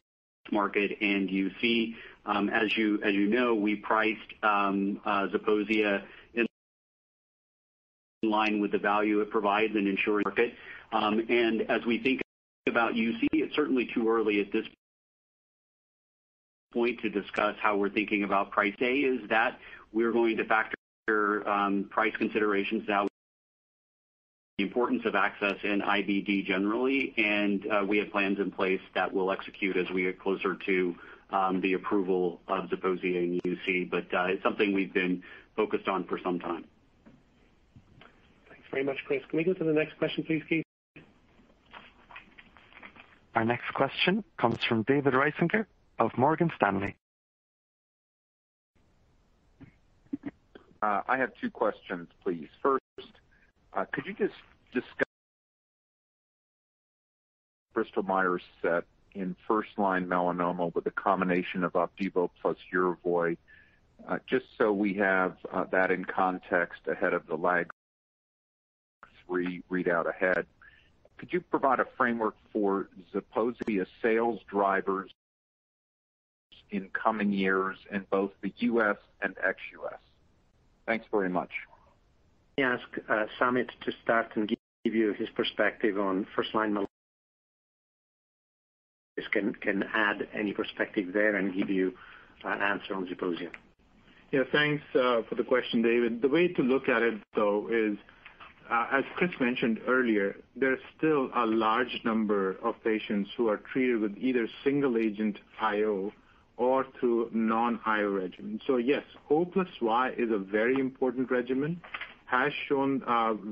market and UC. As you know, we priced Zeposia in line with the value it provides and ensure market. As we think about UC, it's certainly too early at this point to discuss how we're thinking about price, is that we're going to factor price considerations now, the importance of access in IBD generally, and we have plans in place that we'll execute as we get closer to the approval of Zeposia in UC. It's something we've been focused on for some time. Thanks very much, Chris. Can we go to the next question please, Keith? Our next question comes from David Risinger of Morgan Stanley. I have two questions, please. First, could you just discuss Bristol Myers' set in first line melanoma with a combination of Opdivo plus Yervoy, just so we have that in context ahead of the LAG-3 readout ahead. Could you provide a framework for Zeposia sales drivers in coming years in both the U.S. and ex-U.S.? Thanks very much. Let me ask Samit to start and give you his perspective on first line melanoma. Chris can add any perspective there and give you an answer on Zeposia. Thanks for the question, David. The way to look at it though is, as Chris mentioned earlier, there's still a large number of patients who are treated with either single agent IO or through non-IO regimen. Yes, Opdivo plus Yervoy is a very important regimen, has shown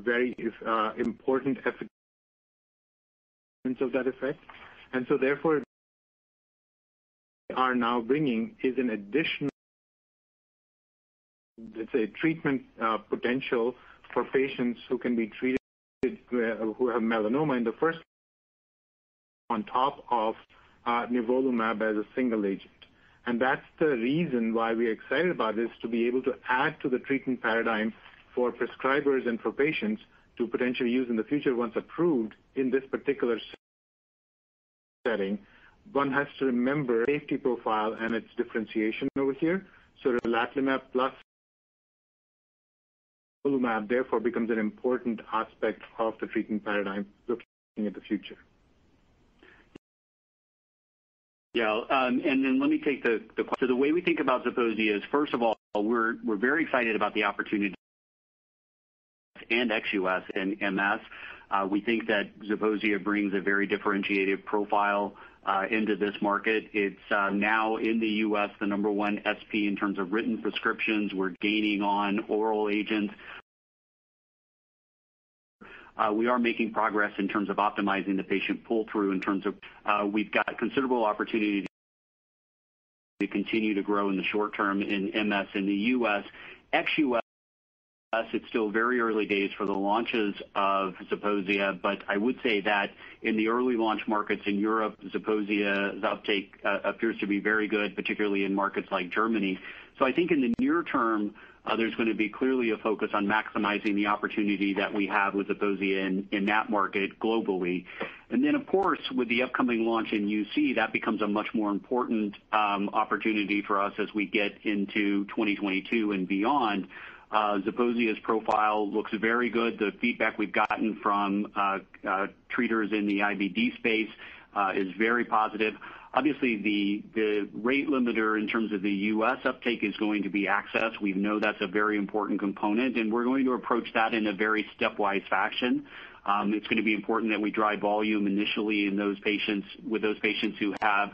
very important evidence of that effect. We are now bringing is an additional, let's say, treatment potential for patients who can be treated who have melanoma in the first on top of nivolumab as a single agent. That's the reason why we are excited about this, to be able to add to the treatment paradigm for prescribers and for patients to potentially use in the future once approved in this particular setting. One has to remember safety profile and its differentiation over here. relatlimab plus nivolumab therefore becomes an important aspect of the treatment paradigm looking at the future. Yeah. The way we think about Zeposia is, first of all, we're very excited about the opportunity and ex-U.S. and MS. We think that Zeposia brings a very differentiated profile into this market. It's now in the U.S., the number one S1P in terms of written prescriptions. We're gaining on oral agents. We are making progress in terms of optimizing the patient pull through in terms of we've got considerable opportunity to continue to grow in the short term in MS in the U.S. Ex-U.S., it's still very early days for the launches of Zeposia, but I would say that in the early launch markets in Europe, Zeposia's uptake appears to be very good, particularly in markets like Germany. I think in the near term, there's going to be clearly a focus on maximizing the opportunity that we have with Zeposia in that market globally. Of course, with the upcoming launch in UC, that becomes a much more important opportunity for us as we get into 2022 and beyond. Zeposia's profile looks very good. The feedback we've gotten from treaters in the IBD space is very positive. Obviously, the rate limiter in terms of the U.S. uptake is going to be access. We know that's a very important component, and we're going to approach that in a very stepwise fashion. It's going to be important that we drive volume initially with those patients who have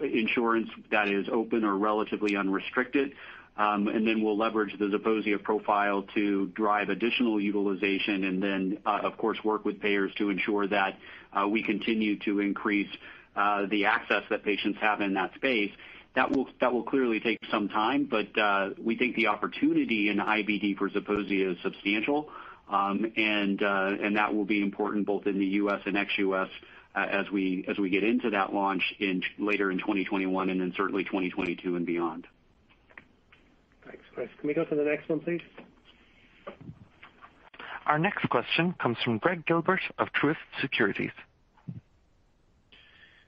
insurance that is open or relatively unrestricted. Then we'll leverage the Zeposia profile to drive additional utilization and then, of course, work with payers to ensure that we continue to increase the access that patients have in that space. That will clearly take some time, but we think the opportunity in IBD for Zeposia is substantial. That will be important both in the U.S. and ex-U.S. as we get into that launch later in 2021 and then certainly 2022 and beyond. Thanks, Chris. Can we go to the next one, please? Our next question comes from Gregg Gilbert of Truist Securities.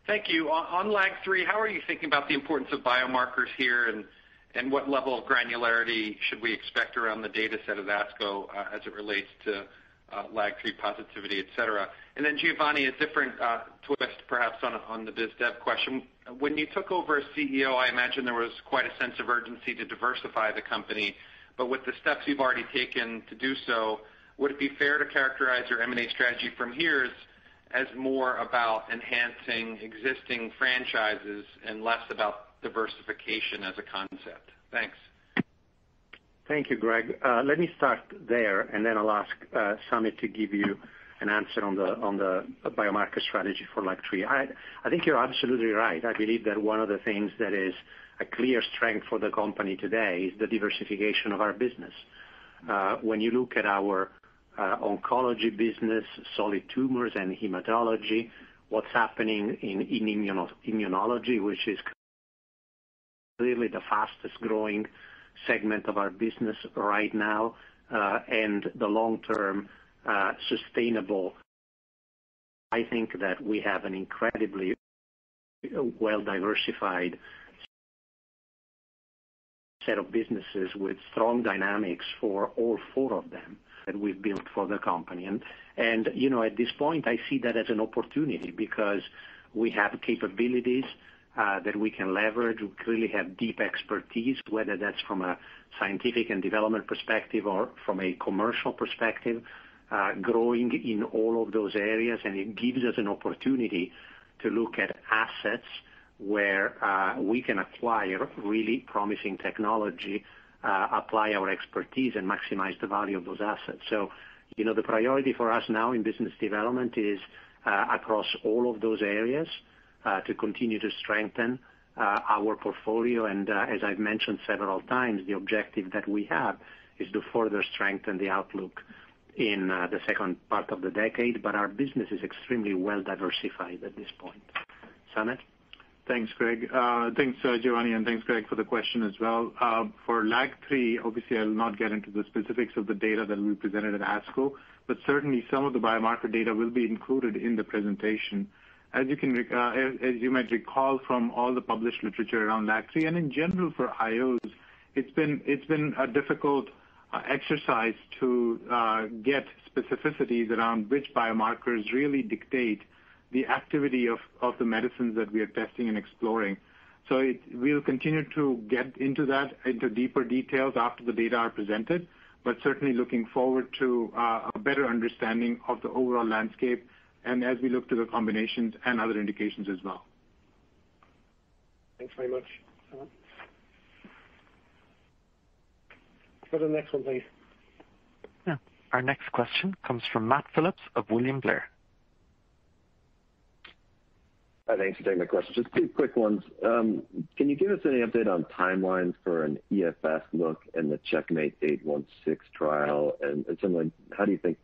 Thank you. On LAG-3, how are you thinking about the importance of biomarkers here, and what level of granularity should we expect around the data set of ASCO as it relates to LAG-3 positivity, et cetera? Giovanni, a different twist perhaps on the biz dev question. When you took over as CEO, I imagine there was quite a sense of urgency to diversify the company, but with the steps you've already taken to do so, would it be fair to characterize your M&A strategy from here as more about enhancing existing franchises and less about diversification as a concept? Thanks. Thank you, Greg. Let me start there, and then I'll ask Samit to give you an answer on the biomarker strategy for LAG-3. I think you're absolutely right. I believe that one of the things that is a clear strength for the company today is the diversification of our business. When you look at our oncology business, solid tumors, and hematology, what's happening in immunology, which is clearly the fastest-growing segment of our business right now, and the long-term sustainable. I think that we have an incredibly well-diversified set of businesses with strong dynamics for all four of them that we've built for the company. At this point, I see that as an opportunity because we have capabilities that we can leverage. We clearly have deep expertise, whether that's from a scientific and development perspective or from a commercial perspective, growing in all of those areas. It gives us an opportunity to look at assets where we can acquire really promising technology, apply our expertise, and maximize the value of those assets. The priority for us now in business development is across all of those areas to continue to strengthen our portfolio. As I've mentioned several times, the objective that we have is to further strengthen the outlook in the second part of the decade. Our business is extremely well-diversified at this point. Samit? Thanks, Giovanni, and thanks, Greg, for the question as well. LAG-3, obviously I'll not get into the specifics of the data that we presented at ASCO, but certainly some of the biomarker data will be included in the presentation. You might recall from all the published literature around LAG-3 and in general for IOs, it's been a difficult exercise to get specificities around which biomarkers really dictate the activity of the medicines that we are testing and exploring. We'll continue to get into that into deeper details after the data are presented, but certainly looking forward to a better understanding of the overall landscape and as we look to the combinations and other indications as well. Thanks very much, Samit. Go to the next one, please. Yeah. Our next question comes from Matt Phipps of William Blair. Thanks for taking my questions. Just two quick ones. Can you give us any update on timelines for an EFS look in the CheckMate -816 trial? Similarly, how do you think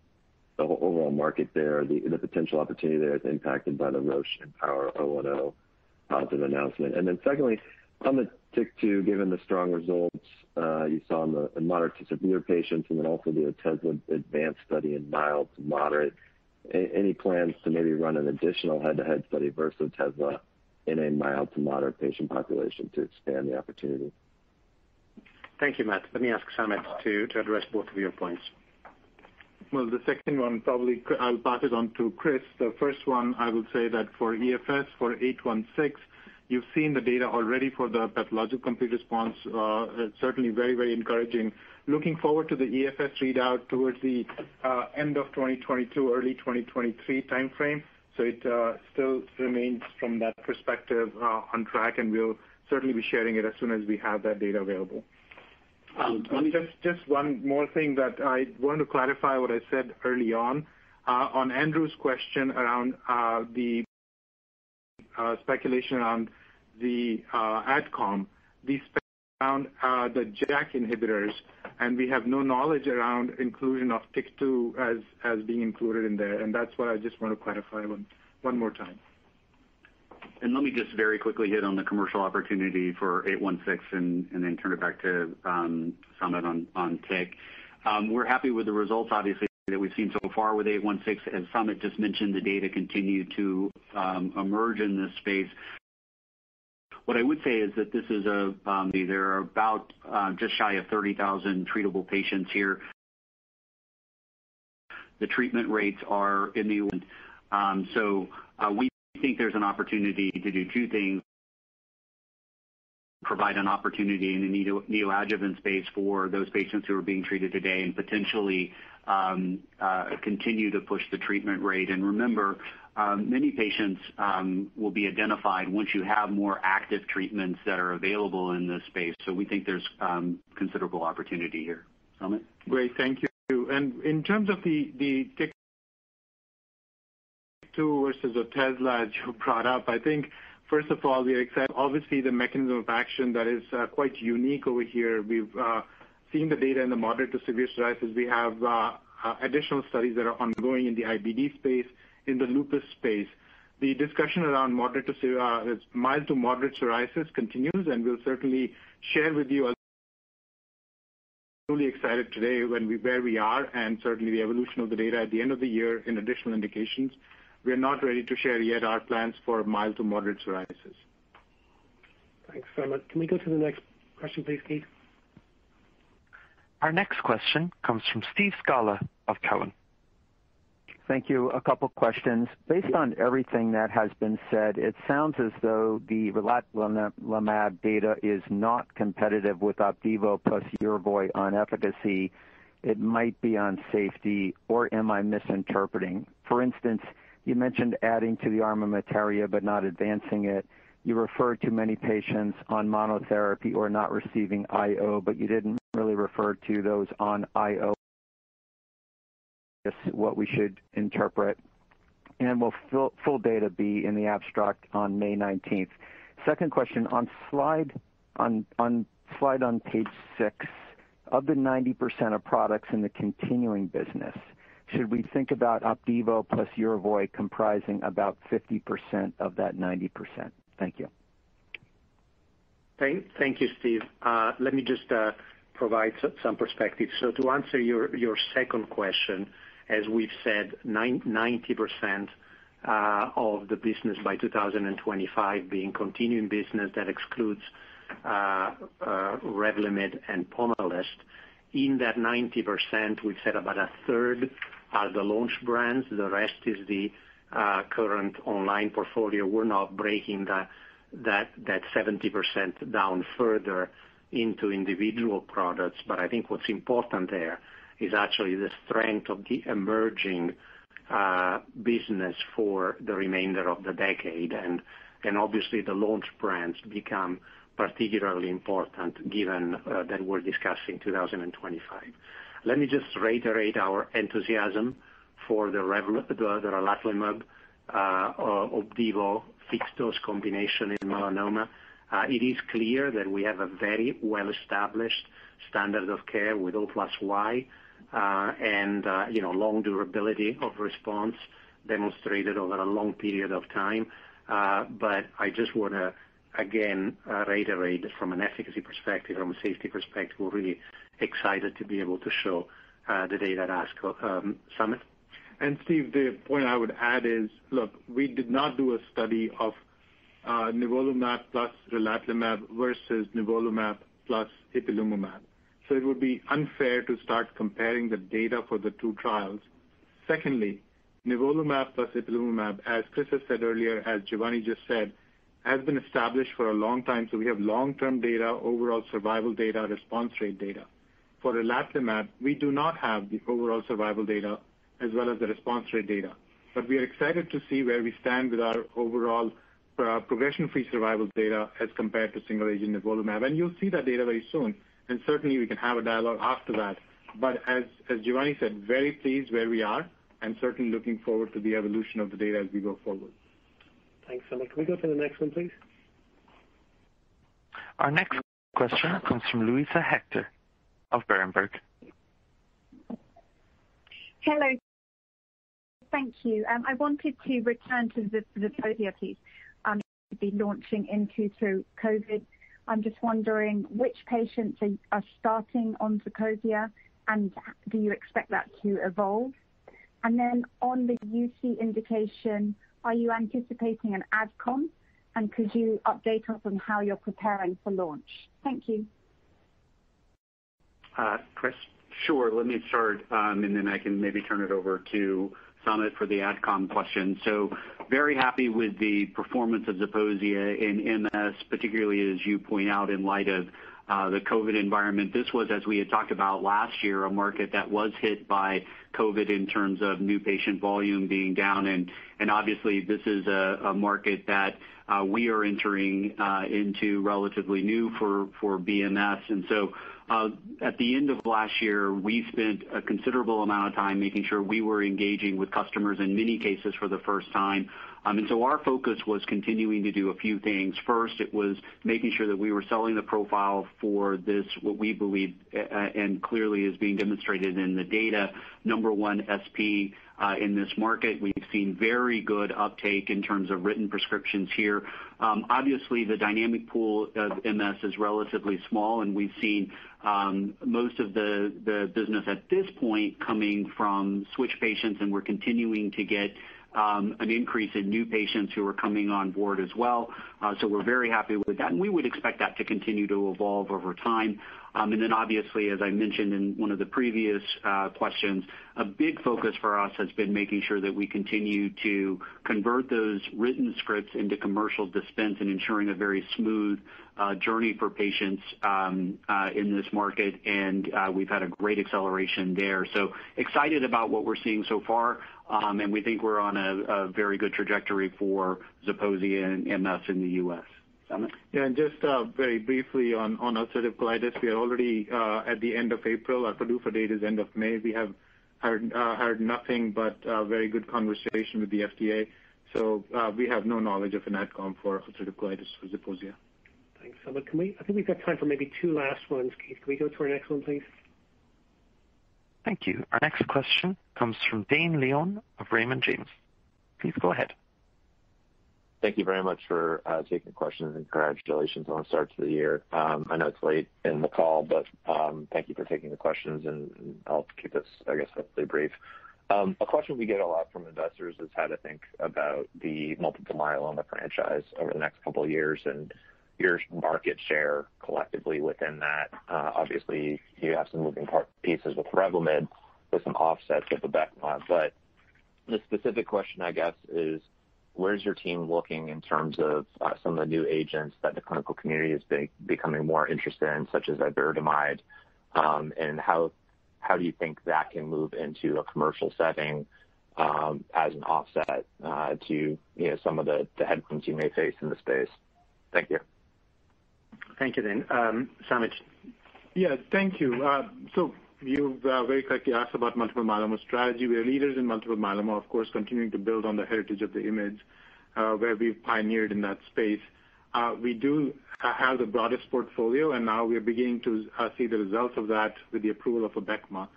the overall market there, the potential opportunity there is impacted by the Roche and IMpower010 positive announcement? Secondly, on the TYK2, given the strong results you saw in the moderate to severe patients and then also the Otezla advanced study in mild to moderate, any plans to maybe run an additional head-to-head study versus Otezla in a mild to moderate patient population to expand the opportunity? Thank you, Matt. Let me ask Samit to address both of your points. Well, the second one probably I'll pass it on to Chris. The first one, I would say that for EFS, for 816, you've seen the data already for the pathologic complete response. It's certainly very encouraging. Looking forward to the EFS readout towards the end of 2022, early 2023 timeframe. It still remains from that perspective on track, and we'll certainly be sharing it as soon as we have that data available. Let me- Just one more thing that I want to clarify what I said early on. On Andrew's question around the speculation around the AdComm, the spec around the JAK inhibitors, and we have no knowledge around inclusion of TYK2 as being included in there. That's what I just want to clarify one more time. Let me just very quickly hit on the commercial opportunity for 816 and then turn it back to Samit on TYK2. We're happy with the results, obviously, that we've seen so far with 816. As Samit just mentioned, the data continue to emerge in this space. What I would say is that there are about just shy of 30,000 treatable patients here. The treatment rates are in the. We think there's an opportunity to do two things. Provide an opportunity in the neoadjuvant space for those patients who are being treated today and potentially continue to push the treatment rate. Remember, many patients will be identified once you have more active treatments that are available in this space. We think there's considerable opportunity here. Samit? Great. Thank you. In terms of the TYK2 versus Otezla that you brought up, I think first of all, we are excited. Obviously, the mechanism of action that is quite unique over here. We've seen the data in the moderate to severe psoriasis. We have additional studies that are ongoing in the IBD space, in the lupus space. The discussion around mild to moderate psoriasis continues, and we'll certainly share with you as Truly excited today where we are and certainly the evolution of the data at the end of the year in additional indications. We are not ready to share yet our plans for mild to moderate psoriasis. Thanks, Samit. Can we go to the next question, please, Keith? Our next question comes from Steve Scala of Cowen. Thank you. A couple of questions. Based on everything that has been said, it sounds as though the Relatlimab data is not competitive with Opdivo plus Yervoy on efficacy. It might be on safety, or am I misinterpreting? For instance, you mentioned adding to the armamentarium but not advancing it. You referred to many patients on monotherapy or not receiving IO, but you didn't really refer to those on IO. What we should interpret, and will full data be in the abstract on May 19th? Second question. On slide on page six, of the 90% of products in the continuing business, should we think about Opdivo plus Yervoy comprising about 50% of that 90%? Thank you. Thank you, Steve. Let me just provide some perspective. To answer your second question, as we've said, 90% of the business by 2025 being continuing business, that excludes Revlimid and Pomalyst. In that 90%, we've said about a third are the launch brands, the rest is the current online portfolio. We're not breaking that 70% down further into individual products. I think what's important there is actually the strength of the emerging business for the remainder of the decade. Obviously the launch brands become particularly important given that we're discussing 2025. Let me just reiterate our enthusiasm for the relatlimab, Opdivo fixed dose combination in melanoma. It is clear that we have a very well-established standard of care with Opdivo plus Yervoy, and long durability of response demonstrated over a long period of time. I just want to, again, reiterate from an efficacy perspective, from a safety perspective, we're really excited to be able to show the data at ASCO, Samit. Steve, the point I would add is, look, we did not do a study of nivolumab plus elotuzumab versus nivolumab plus ipilimumab. It would be unfair to start comparing the data for the two trials. Secondly, nivolumab plus ipilimumab, as Chris has said earlier, as Giovanni just said, has been established for a long time. We have long-term data, overall survival data, response rate data. For elotuzumab, we do not have the overall survival data as well as the response rate data. We are excited to see where we stand with our overall progression-free survival data as compared to single agent nivolumab, and you'll see that data very soon. Certainly, we can have a dialogue after that. As Giovanni said, very pleased where we are and certainly looking forward to the evolution of the data as we go forward. Thanks, Samit. Can we go to the next one, please? Our next question comes from Luisa Hector of Berenberg. Hello. Thank you. I wanted to return to the Zeposia piece to be launching into through COVID. I'm just wondering which patients are starting on Zeposia. Do you expect that to evolve? On the UC indication, are you anticipating an AdComm, and could you update us on how you're preparing for launch? Thank you. Chris? Sure. Let me start, and then I can maybe turn it over to Samit for the AdComm question. Very happy with the performance of Zeposia in MS, particularly as you point out in light of the COVID environment. This was, as we had talked about last year, a market that was hit by COVID in terms of new patient volume being down, and obviously this is a market that we are entering into relatively new for BMS. At the end of last year, we spent a considerable amount of time making sure we were engaging with customers in many cases for the first time. Our focus was continuing to do a few things. First, it was making sure that we were selling the profile for this, what we believe, and clearly is being demonstrated in the data, number one S1P in this market. We've seen very good uptake in terms of written prescriptions here. Obviously, the dynamic pool of MS is relatively small, and we've seen most of the business at this point coming from switch patients, and we're continuing to get an increase in new patients who are coming on board as well. We're very happy with that, and we would expect that to continue to evolve over time. Obviously, as I mentioned in one of the previous questions, a big focus for us has been making sure that we continue to convert those written scripts into commercial dispense and ensuring a very smooth journey for patients in this market, and we've had a great acceleration there. Excited about what we're seeing so far, and we think we're on a very good trajectory for Zeposia and MS in the U.S. Samit? Yeah, just very briefly on ulcerative colitis, we are already at the end of April. Our PDUFA date is end of May. We have heard nothing but very good conversation with the FDA. We have no knowledge of an AdComm for ulcerative colitis for Zeposia. Thanks, Samit. I think we've got time for maybe two last ones. Can we go to our next one, please? Thank you. Our next question comes from Dane Leone of Raymond James. Please go ahead. Thank you very much for taking the questions, and congratulations on the start to the year. I know it's late in the call, but thank you for taking the questions, and I'll keep this hopefully brief. A question we get a lot from investors is how to think about the multiple myeloma franchise over the next couple of years and your market share collectively within that. Obviously, you have some moving pieces with Revlimid with some offsets with Abecma. The specific question, I guess is where is your team looking in terms of some of the new agents that the clinical community is becoming more interested in, such as iberdomide, and how do you think that can move into a commercial setting as an offset to some of the headwinds you may face in the space? Thank you. Thank you, Dane. Samit? Thank you. You very correctly asked about multiple myeloma strategy. We are leaders in multiple myeloma, of course, continuing to build on the heritage of the IMiD where we've pioneered in that space. We do have the broadest portfolio, and now we are beginning to see the results of that with the approval of Abecma.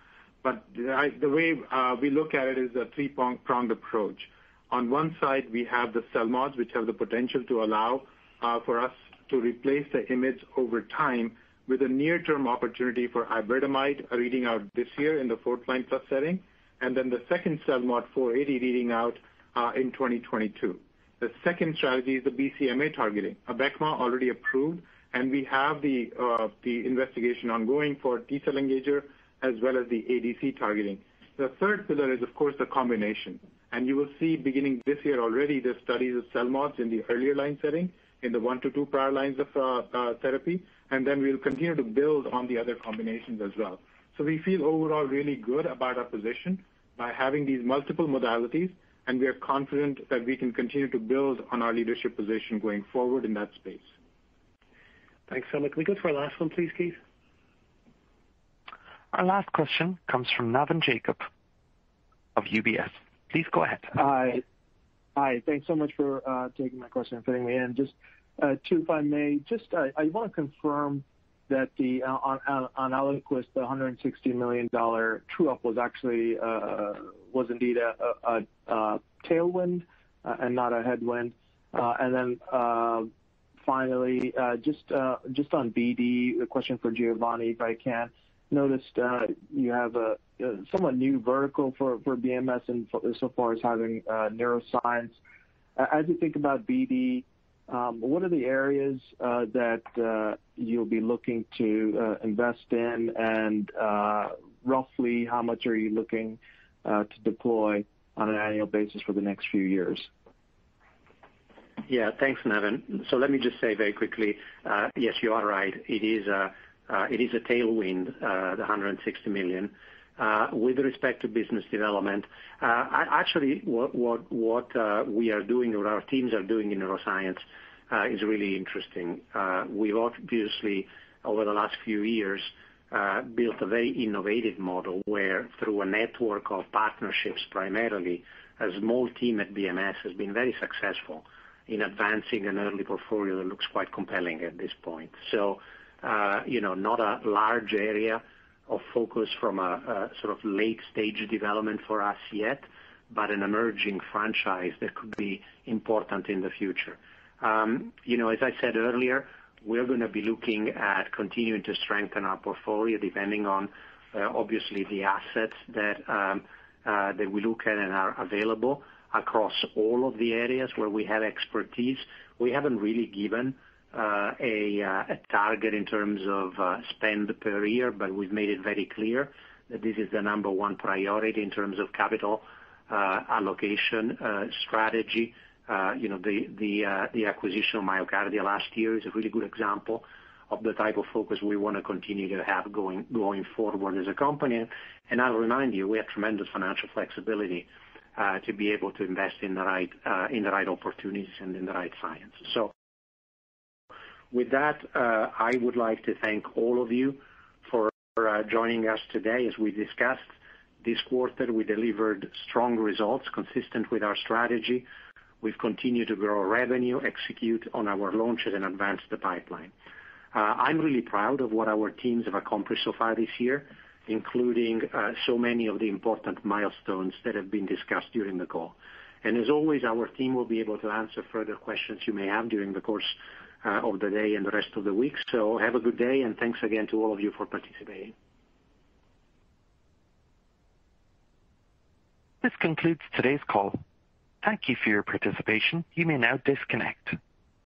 The way we look at it is a three-pronged approach. On one side, we have the CELMoD, which have the potential to allow for us to replace the IMiD over time with a near-term opportunity for iberdomide, reading out this year in the fourth line plus setting, and then the second CELMoD CC-92480 reading out in 2022. The second strategy is the BCMA targeting. Abecma already approved, and we have the investigation ongoing for T-cell engager as well as the ADC targeting. The third pillar is, of course, the combination. You will see beginning this year already, the studies of CELMoD in the earlier line setting in the one to two prior lines of therapy, and then we'll continue to build on the other combinations as well. We feel overall really good about our position by having these multiple modalities, and we are confident that we can continue to build on our leadership position going forward in that space. Thanks so much. Can we go to our last one, please, Keith? Our last question comes from Navin Jacob of UBS. Please go ahead. Hi. Thanks so much for taking my question and fitting me in. Just two, if I may. I want to confirm that on Alloqost, the $160 million true-up was indeed a tailwind and not a headwind. Finally, just on BD, a question for Giovanni, if I can. Noticed you have a somewhat new vertical for BMS in so far as having neuroscience. As you think about BD, what are the areas that you'll be looking to invest in, and roughly how much are you looking to deploy on an annual basis for the next few years? Thanks, Navin. Let me just say very quickly, yes, you are right. It is a tailwind, the $160 million. With respect to business development, actually, what our teams are doing in neuroscience is really interesting. We've obviously, over the last few years, built a very innovative model where through a network of partnerships, primarily, a small team at BMS has been very successful in advancing an early portfolio that looks quite compelling at this point. Not a large area of focus from a sort of late-stage development for us yet, but an emerging franchise that could be important in the future. As I said earlier, we're going to be looking at continuing to strengthen our portfolio depending on, obviously, the assets that we look at and are available across all of the areas where we have expertise. We haven't really given a target in terms of spend per year, but we've made it very clear that this is the number one priority in terms of capital allocation strategy. The acquisition of MyoKardia last year is a really good example of the type of focus we want to continue to have going forward as a company. I'll remind you, we have tremendous financial flexibility to be able to invest in the right opportunities and in the right science. With that, I would like to thank all of you for joining us today. As we discussed this quarter, we delivered strong results consistent with our strategy. We've continued to grow revenue, execute on our launches, and advance the pipeline. I'm really proud of what our teams have accomplished so far this year, including so many of the important milestones that have been discussed during the call. As always, our team will be able to answer further questions you may have during the course of the day and the rest of the week. Have a good day, and thanks again to all of you for participating. This concludes today's call. Thank you for your participation. You may now disconnect.